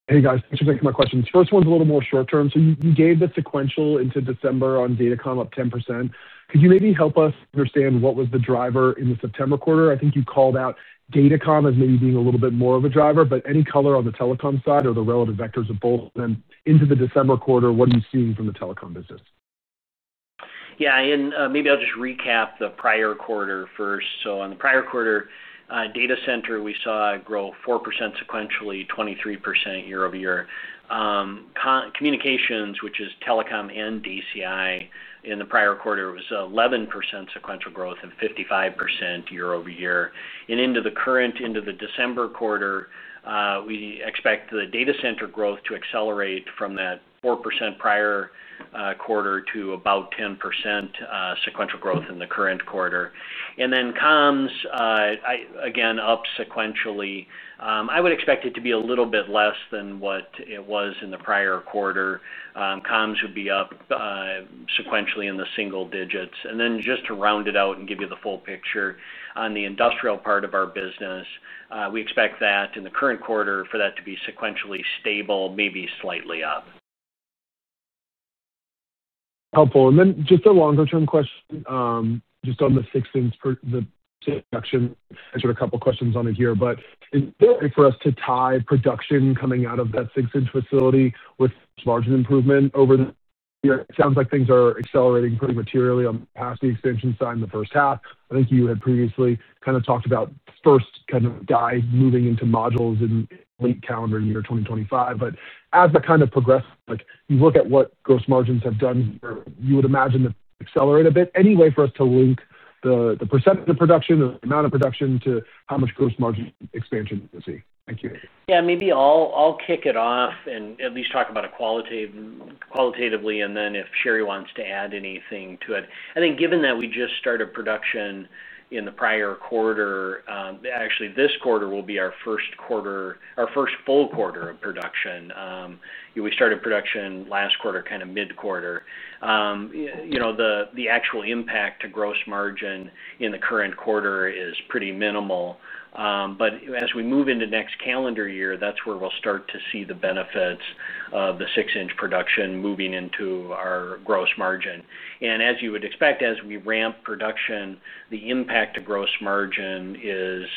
Hey, guys. Thanks for taking my questions. First one's a little more short-term. You gave the sequential into December on data comm up 10%. Could you maybe help us understand what was the driver in the September quarter? I think you called out data comm as maybe being a little bit more of a driver, but any color on the telecom side or the relative vectors of both? Into the December quarter, what are you seeing from the telecom business? Yeah. Maybe I'll just recap the prior quarter first. On the prior quarter, data center, we saw growth 4% sequentially, 23% year-over-year. Communications, which is telecom and DCI, in the prior quarter was 11% sequential growth and 55% year-over-year. Into the current, into the December quarter, we expect the data center growth to accelerate from that 4% prior quarter to about 10% sequential growth in the current quarter. Comms, again, up sequentially. I would expect it to be a little bit less than what it was in the prior quarter. Comms would be up sequentially in the single digits. Just to round it out and give you the full picture, on the industrial part of our business, we expect that in the current quarter for that to be sequentially stable, maybe slightly up. Helpful. Just a longer-term question, just on the fixed-inch production. I answered a couple of questions on it here, but is there a way for us to tie production coming out of that 6-inch facility with margin improvement over the year? It sounds like things are accelerating pretty materially on the capacity expansion side in the first half. I think you had previously kind of talked about first kind of guide moving into modules in late calendar year 2025. As that kind of progresses, you look at what gross margins have done, you would imagine that they accelerate a bit. Any way for us to link the percentage of the production, the amount of production, to how much gross margin expansion you see? Thank you. Yeah. Maybe I'll kick it off and at least talk about it qualitatively, and then if Sherri wants to add anything to it. I think given that we just started production in the prior quarter, actually, this quarter will be our first quarter, our first full quarter of production. We started production last quarter, kind of mid-quarter. The actual impact to gross margin in the current quarter is pretty minimal. As we move into next calendar year, that's where we'll start to see the benefits of the six-inch production moving into our gross margin. As you would expect, as we ramp production, the impact to gross margin is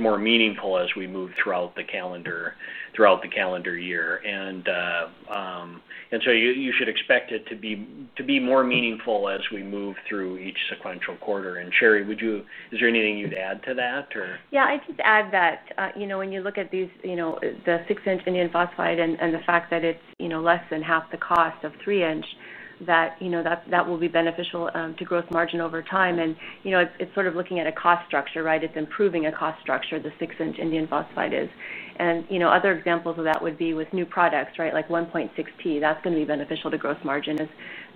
more meaningful as we move throughout the calendar year. You should expect it to be more meaningful as we move through each sequential quarter. Sherri, is there anything you'd add to that, or? Yeah. I'd just add that when you look at the six-inch indium phosphide and the fact that it's less than half the cost of three-inch, that. Will be beneficial to gross margin over time. It is sort of looking at a cost structure, right? It is improving a cost structure, the six-inch indium phosphide is. Other examples of that would be with new products, right, like 1.6T. That is going to be beneficial to gross margin.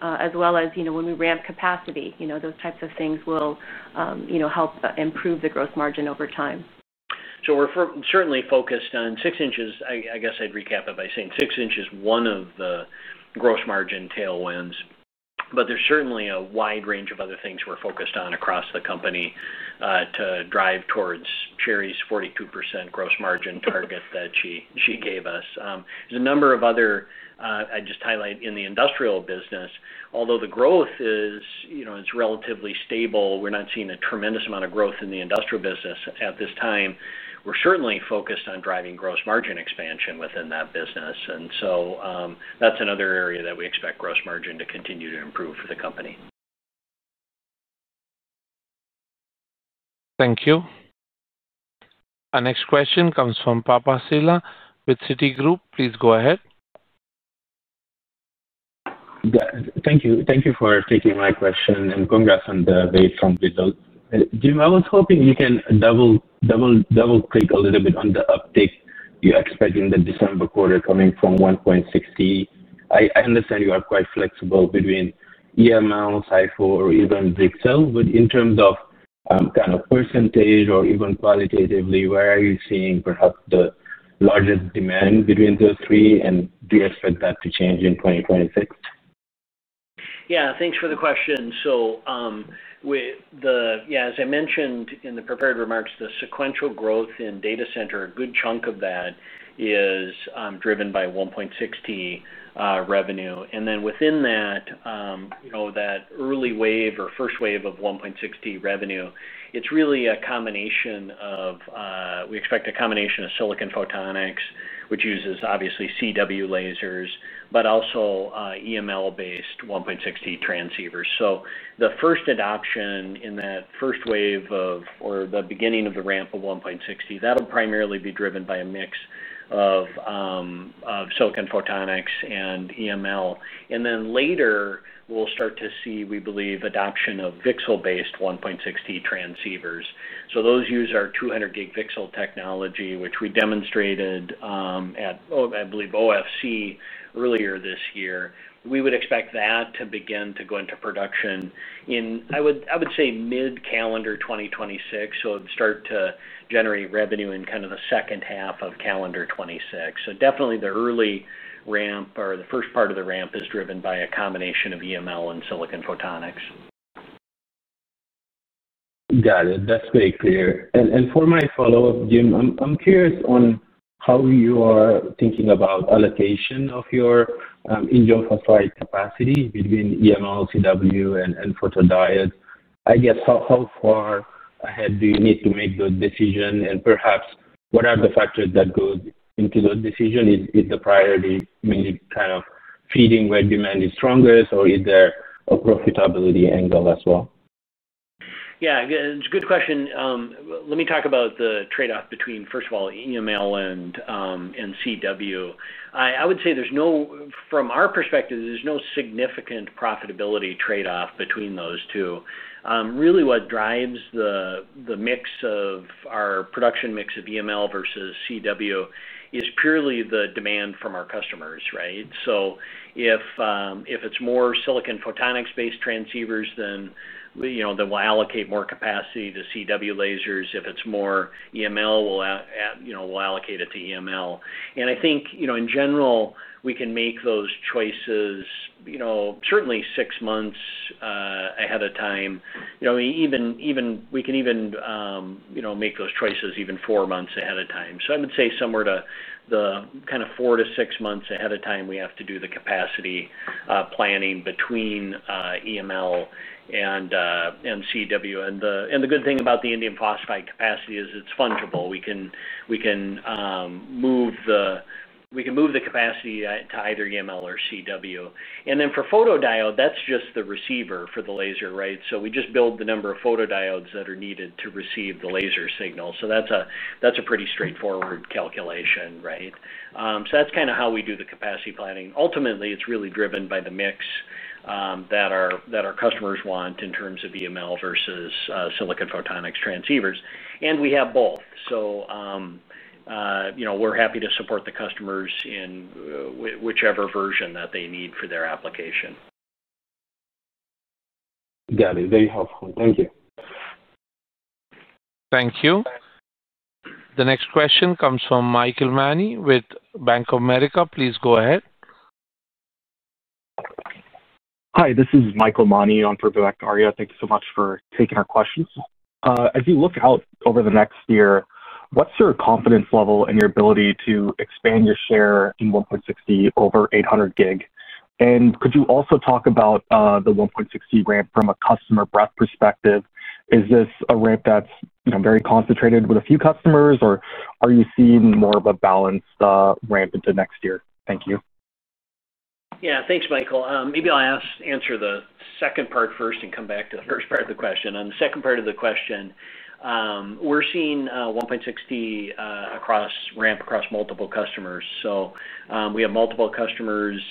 As well as when we ramp capacity, those types of things will help improve the gross margin over time. We are certainly focused on six inches. I guess I would recap it by saying six inch is one of the gross margin tailwinds. There is certainly a wide range of other things we are focused on across the company to drive towards Sherri's 42% gross margin target that she gave us. There is a number of other, I would just highlight, in the industrial business. Although the growth is relatively stable, we're not seeing a tremendous amount of growth in the industrial business at this time. We're certainly focused on driving gross margin expansion within that business. That's another area that we expect gross margin to continue to improve for the company. Thank you. Our next question comes from Papa Sylla with Citigroup. Please go ahead. Thank you. Thank you for taking my question, and congrats on the very strong results. Jim, I was hoping you can double-click a little bit on the uptake you're expecting the December quarter coming from 1.6T. I understand you are quite flexible between EML, SIFO, or even VCSEL, but in terms of kind of percentage or even qualitatively, where are you seeing perhaps the largest demand between those three, and do you expect that to change in 2026? Yeah. Thanks for the question. So. Yeah, as I mentioned in the prepared remarks, the sequential growth in data center, a good chunk of that is driven by 1.6T revenue. And then within that, that early wave or first wave of 1.6T revenue, it's really a combination of, we expect a combination of silicon photonics, which uses obviously CW lasers, but also EML-based 1.6T transceivers. The first adoption in that first wave of, or the beginning of the ramp of 1.6T, that'll primarily be driven by a mix of silicon photonics and EML. Later, we'll start to see, we believe, adoption of VCSEL-based 1.6T transceivers. Those use our 200 gig VCSEL technology, which we demonstrated at, I believe, OFC earlier this year. We would expect that to begin to go into production in, I would say, mid-calendar 2026, so it'd start to generate revenue in kind of the second half of calendar 2026. Definitely, the early ramp or the first part of the ramp is driven by a combination of EML and silicon photonics. Got it. That is very clear. For my follow-up, Jim, I am curious on how you are thinking about allocation of your indium phosphide capacity between EML, CW, and photodiodes. I guess, how far ahead do you need to make the decision? Perhaps, what are the factors that go into the decision? Is the priority mainly kind of feeding where demand is strongest, or is there a profitability angle as well? Yeah. Good question. Let me talk about the trade-off between, first of all, EML and CW. I would say from our perspective, there is no significant profitability trade-off between those two. Really, what drives the mix of our production mix of EML versus CW is purely the demand from our customers, right? If It's more silicon photonics-based transceivers, then. We'll allocate more capacity to CW lasers. If it's more EML, we'll allocate it to EML. I think, in general, we can make those choices. Certainly six months ahead of time. We can even make those choices even four months ahead of time. I would say somewhere to the kind of four- to six-months ahead of time, we have to do the capacity planning between EML and CW. The good thing about the indium phosphide capacity is it's fungible. We can move the capacity to either EML or CW. For photodiode, that's just the receiver for the laser, right? We just build the number of photodiodes that are needed to receive the laser signal. That's a pretty straightforward calculation, right? That's kind of how we do the capacity planning. Ultimately, it's really driven by the mix that our customers want in terms of EML versus silicon photonics transceivers, and we have both. We are happy to support the customers in whichever version that they need for their application. Got it. Very helpful. Thank you. Thank you. The next question comes from Michael Mani with Bank of America. Please go ahead. Hi. This is Michael Mani on for Barbara. Thank you so much for taking our questions. As you look out over the next year, what's your confidence level in your ability to expand your share in 1.6T over 800 gig? And could you also talk about the 1.6T ramp from a customer breadth perspective? Is this a ramp that's very concentrated with a few customers, or are you seeing more of a balanced ramp into next year? Thank you. Yeah. Thanks, Michael. Maybe I'll answer the second part first and come back to the first part of the question. On the second part of the question, we're seeing 1.6T ramp across multiple customers. We have multiple customers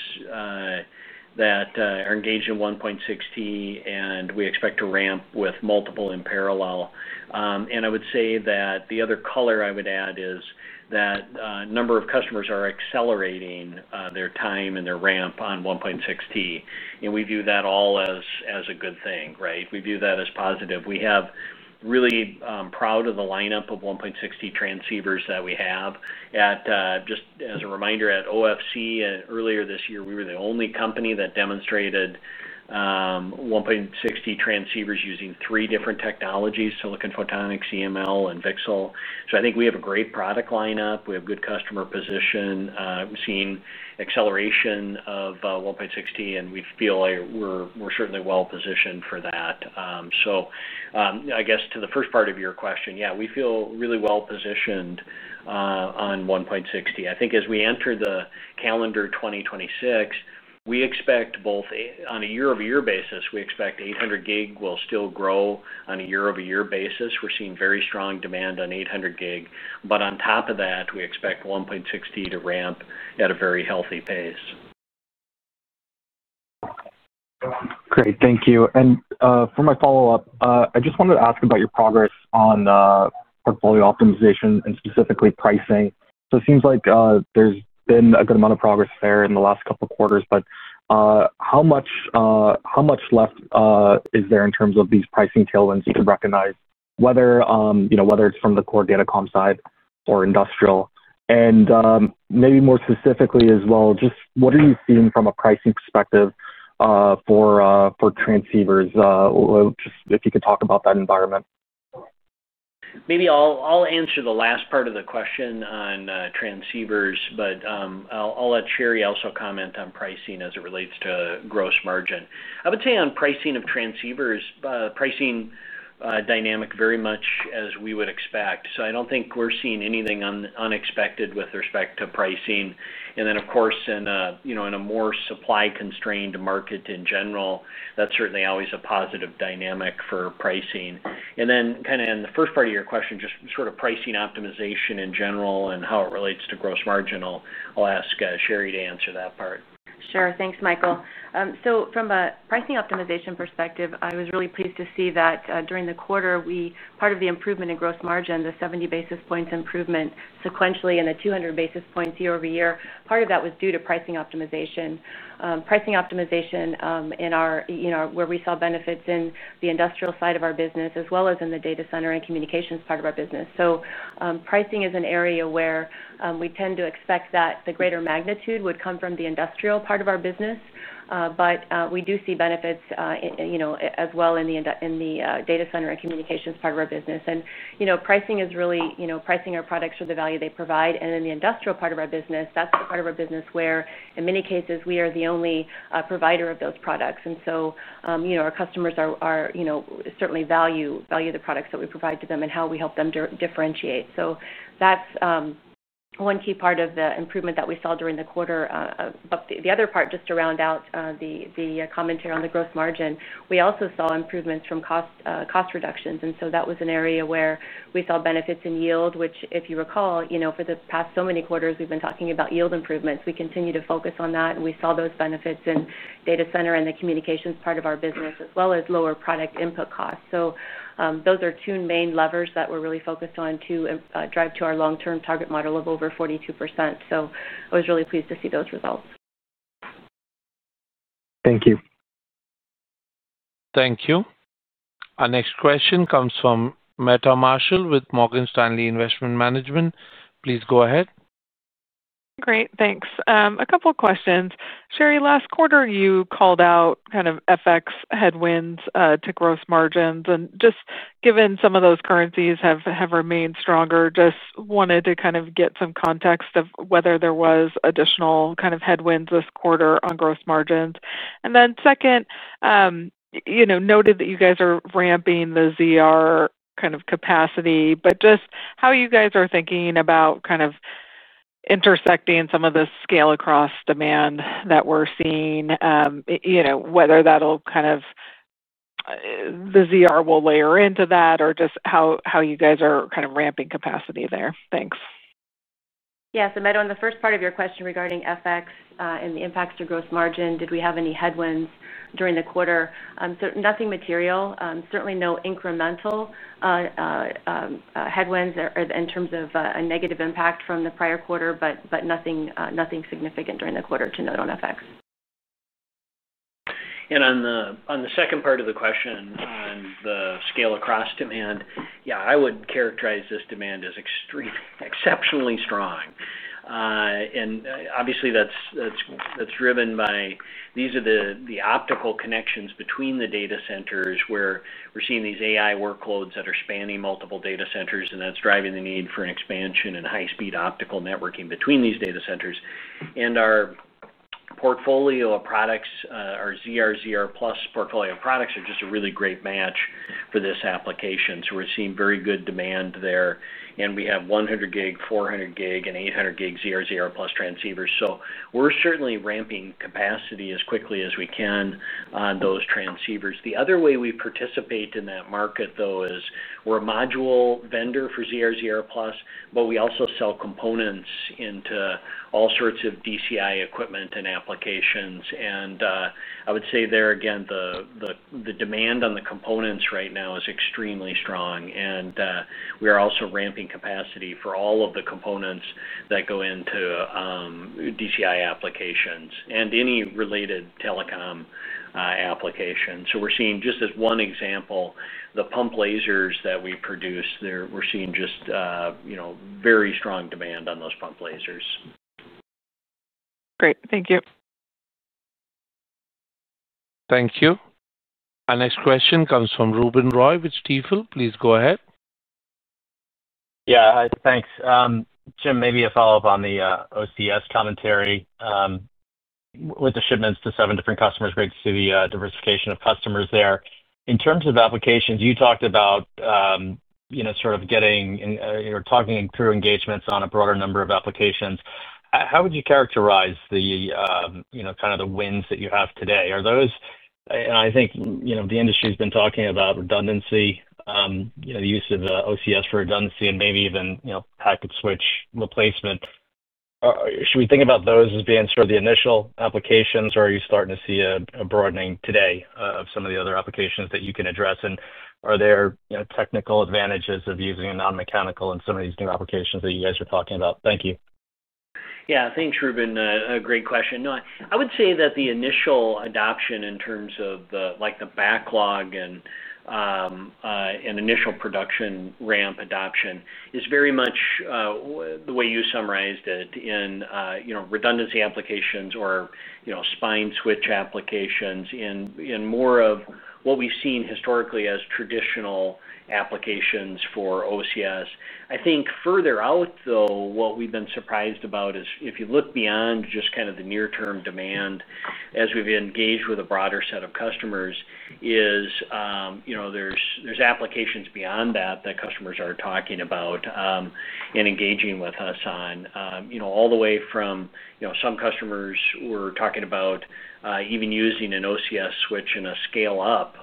that are engaged in 1.6T, and we expect to ramp with multiple in parallel. I would say that the other color I would add is that a number of customers are accelerating their time and their ramp on 1.6T. We view that all as a good thing, right? We view that as positive. We are really proud of the lineup of 1.6T transceivers that we have. Just as a reminder, at OFC earlier this year, we were the only company that demonstrated 1.6T transceivers using three different technologies: silicon photonics, EML, and VCSEL. I think we have a great product lineup. We have good customer position. We've seen acceleration of 1.6T, and we feel we're certainly well-positioned for that. I guess to the first part of your question, yeah, we feel really well-positioned. On 1.6T. I think as we enter the calendar 2026, we expect both on a year-over-year basis, we expect 800 gig will still grow on a year-over-year basis. We're seeing very strong demand on 800 gig. On top of that, we expect 1.6T to ramp at a very healthy pace. Great. Thank you. For my follow-up, I just wanted to ask about your progress on portfolio optimization and specifically pricing. It seems like there's been a good amount of progress there in the last couple of quarters, but how much left is there in terms of these pricing tailwinds you can recognize, whether it's from the core datacom side or industrial? Maybe more specifically as well, just what are you seeing from a pricing perspective for transceivers? Just if you could talk about that environment. Maybe I'll answer the last part of the question on transceivers, but I'll let Sherri also comment on pricing as it relates to gross margin. I would say on pricing of transceivers, pricing dynamic very much as we would expect. I do not think we're seeing anything unexpected with respect to pricing. In a more supply-constrained market in general, that's certainly always a positive dynamic for pricing. In the first part of your question, just sort of pricing optimization in general and how it relates to gross margin, I'll ask Sherri to answer that part. Sure. Thanks, Michael. From a pricing optimization perspective, I was really pleased to see that during the quarter, part of the improvement in gross margin, the 70 basis points improvement sequentially and the 200 basis points year-over-year, part of that was due to pricing optimization. Pricing optimization is where we saw benefits in the industrial side of our business as well as in the data center and communications part of our business. Pricing is an area where we tend to expect that the greater magnitude would come from the industrial part of our business. We do see benefits as well in the data center and communications part of our business. Pricing is really pricing our products for the value they provide. In the industrial part of our business, that's the part of our business where, in many cases, we are the only provider of those products. Our customers certainly value the products that we provide to them and how we help them differentiate. That is one key part of the improvement that we saw during the quarter. The other part, just to round out the commentary on the gross margin, is that we also saw improvements from cost reductions. That was an area where we saw benefits in yield, which, if you recall, for the past so many quarters, we have been talking about yield improvements. We continue to focus on that. We saw those benefits in data center and the communications part of our business, as well as lower product input costs. Those are two main levers that we are really focused on to drive to our long-term target model of over 42%. I was really pleased to see those results. Thank you. Thank you. Our next question comes from Meta Marshall with Morgan Stanley Investment Management. Please go ahead. Great. Thanks. A couple of questions. Sherri, last quarter, you called out kind of FX headwinds to gross margins. And just given some of those currencies have remained stronger, just wanted to kind of get some context of whether there was additional kind of headwinds this quarter on gross margins. Second, noted that you guys are ramping the ZR kind of capacity. Just how you guys are thinking about kind of intersecting some of the scale-across demand that we're seeing, whether that'll kind of, the ZR will layer into that, or just how you guys are kind of ramping capacity there. Thanks. Yeah. Meta, on the first part of your question regarding FX and the impacts to gross margin, did we have any headwinds during the quarter? Nothing material. Certainly no incremental headwinds in terms of a negative impact from the prior quarter, but nothing significant during the quarter to note on FX. On the second part of the question on the scale-across demand, yeah, I would characterize this demand as exceptionally strong. Obviously, that's driven by these are the optical connections between the data centers where we're seeing these AI workloads that are spanning multiple data centers, and that's driving the need for an expansion and high-speed optical networking between these data centers. Our portfolio of products, our ZR, ZR+ portfolio of products are just a really great match for this application. We're seeing very good demand there. We have 100-gig, 400-gig, and 800-gig ZR, ZR+ transceivers. We're certainly ramping capacity as quickly as we can on those transceivers. The other way we participate in that market, though, is we're a module vendor for ZR, ZR Plus, but we also sell components into all sorts of DCI equipment and applications. I would say there, again, the demand on the components right now is extremely strong. We are also ramping capacity for all of the components that go into DCI applications and any related telecom applications. We're seeing, just as one example, the pump lasers that we produce, we're seeing just very strong demand on those pump lasers. Great. Thank you. Thank you. Our next question comes from Ruben Roy with Stifel. Please go ahead. Yeah. Thanks. Jim, maybe a follow-up on the OCS commentary. With the shipments to seven different customers, great to see the diversification of customers there. In terms of applications, you talked about. Sort of getting or talking through engagements on a broader number of applications. How would you characterize the kind of the wins that you have today? I think the industry has been talking about redundancy, the use of OCS for redundancy, and maybe even packet switch replacement. Should we think about those as being sort of the initial applications, or are you starting to see a broadening today of some of the other applications that you can address? Are there technical advantages of using a non-mechanical in some of these new applications that you guys are talking about? Thank you. Yeah. Thanks, Ruben. Great question. No, I would say that the initial adoption in terms of the backlog and initial production ramp adoption is very much the way you summarized it in redundancy applications or. Spine switch applications in more of what we've seen historically as traditional applications for OCS. I think further out, though, what we've been surprised about is if you look beyond just kind of the near-term demand as we've engaged with a broader set of customers, is there's applications beyond that that customers are talking about and engaging with us on, all the way from some customers who are talking about even using an OCS switch in a scale-up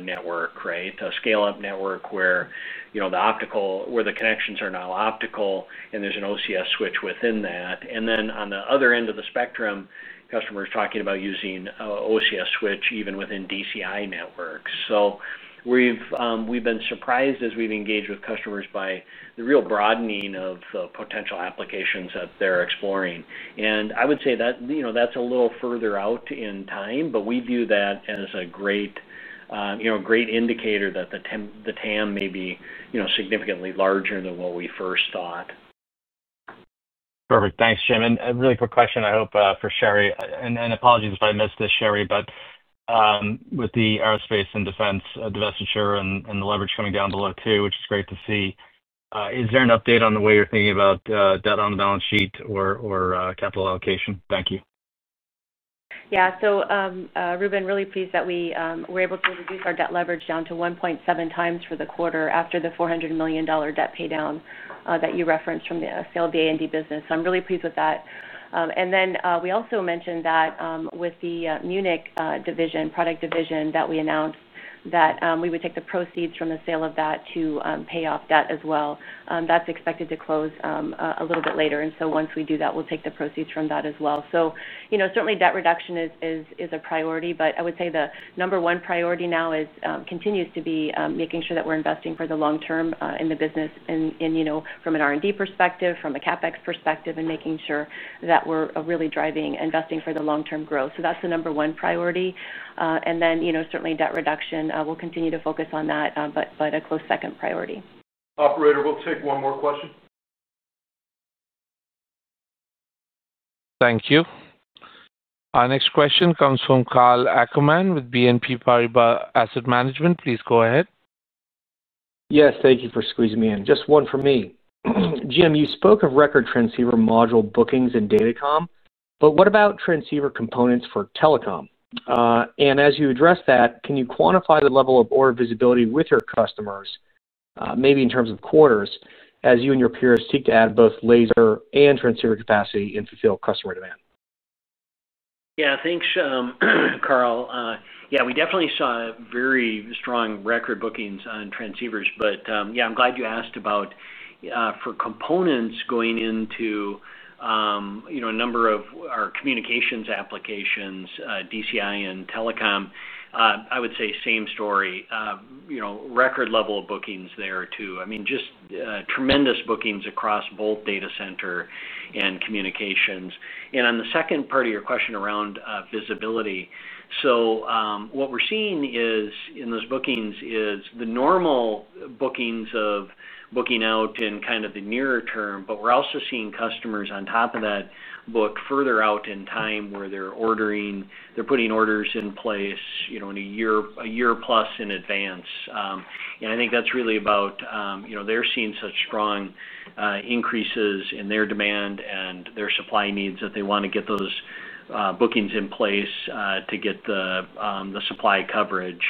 network, right? A scale-up network where the connections are now optical, and there's an OCS switch within that. On the other end of the spectrum, customers are talking about using OCS switch even within DCI networks. We've been surprised as we've engaged with customers by the real broadening of the potential applications that they're exploring. I would say that's a little further out in time, but we view that as a great indicator that the TAM may be significantly larger than what we first thought. Perfect. Thanks, Jim. Really quick question, I hope, for Sherri. Apologies if I missed this, Sherri, but with the aerospace and defense divestiture and the leverage coming down below two, which is great to see, is there an update on the way you're thinking about debt on the balance sheet or capital allocation? Thank you. Yeah. Ruben, really pleased that we were able to reduce our debt leverage down to 1.7x for the quarter after the $400 million debt paydown that you referenced from the sale of the A&D business. I'm really pleased with that. We also mentioned that with the Munich product division, that we announced that we would take the proceeds from the sale of that to pay off debt as well. That is expected to close a little bit later. Once we do that, we will take the proceeds from that as well. Certainly, debt reduction is a priority, but I would say the number one priority now continues to be making sure that we are investing for the long term in the business from an R&D perspective, from a CapEx perspective, and making sure that we are really driving investing for the long-term growth. That is the number one priority. Certainly, debt reduction, we will continue to focus on that, but a close second priority. Operator, we will take one more question.` Thank you. Our next question comes from Karl Ackerman with BNP Paribas Asset Management. Please go ahead. Yes. Thank you for squeezing me in. Just one for me. Jim, you spoke of record transceiver module bookings in datacom, but what about transceiver components for telecom? As you address that, can you quantify the level of order visibility with your customers, maybe in terms of quarters, as you and your peers seek to add both laser and transceiver capacity and fulfill customer demand? Yeah. Thanks, Karl. Yeah, we definitely saw very strong record bookings on transceivers. Yeah, I'm glad you asked about components going into a number of our communications applications, DCI and telecom. I would say same story. Record level of bookings there too. I mean, just tremendous bookings across both data center and communications. On the second part of your question around visibility, what we're seeing in those bookings is the normal bookings of booking out in kind of the near term, but we're also seeing customers on top of that book further out in time where they're putting orders in place a year plus in advance. I think that's really about they're seeing such strong increases in their demand and their supply needs that they want to get those bookings in place to get the supply coverage.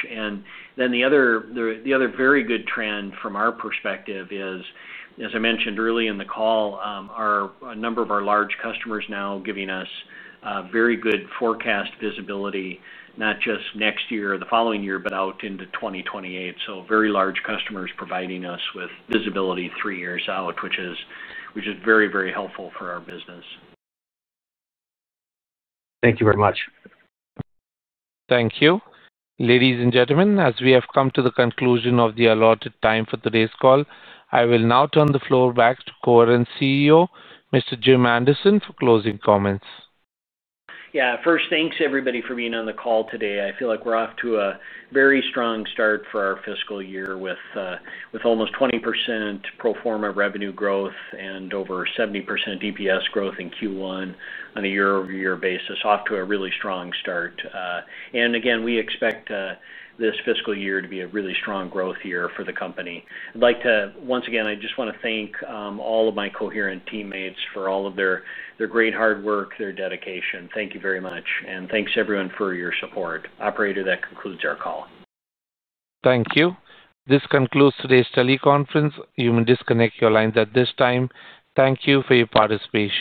The other very good trend from our perspective is, as I mentioned early in the call, a number of our large customers now giving us very good forecast visibility, not just next year or the following year, but out into 2028. Very large customers providing us with visibility three years out, which is very, very helpful for our business. Thank you very much. Thank you. Ladies and gentlemen, as we have come to the conclusion of the allotted time for today's call, I will now turn the floor back to Coherent CEO, Mr. Jim Anderson, for closing comments. Yeah. First, thanks everybody for being on the call today. I feel like we're off to a very strong start for our fiscal year with almost 20% pro forma revenue growth and over 70% EPS growth in Q1 on a year-over-year basis, off to a really strong start. Again, we expect this fiscal year to be a really strong growth year for the company. I'd like to, once again, I just want to thank all of my Coherent teammates for all of their great hard work, their dedication. Thank you very much. And thanks everyone for your support. Operator, that concludes our call. Thank you. This concludes today's teleconference. You may disconnect your lines at this time. Thank you for your participation.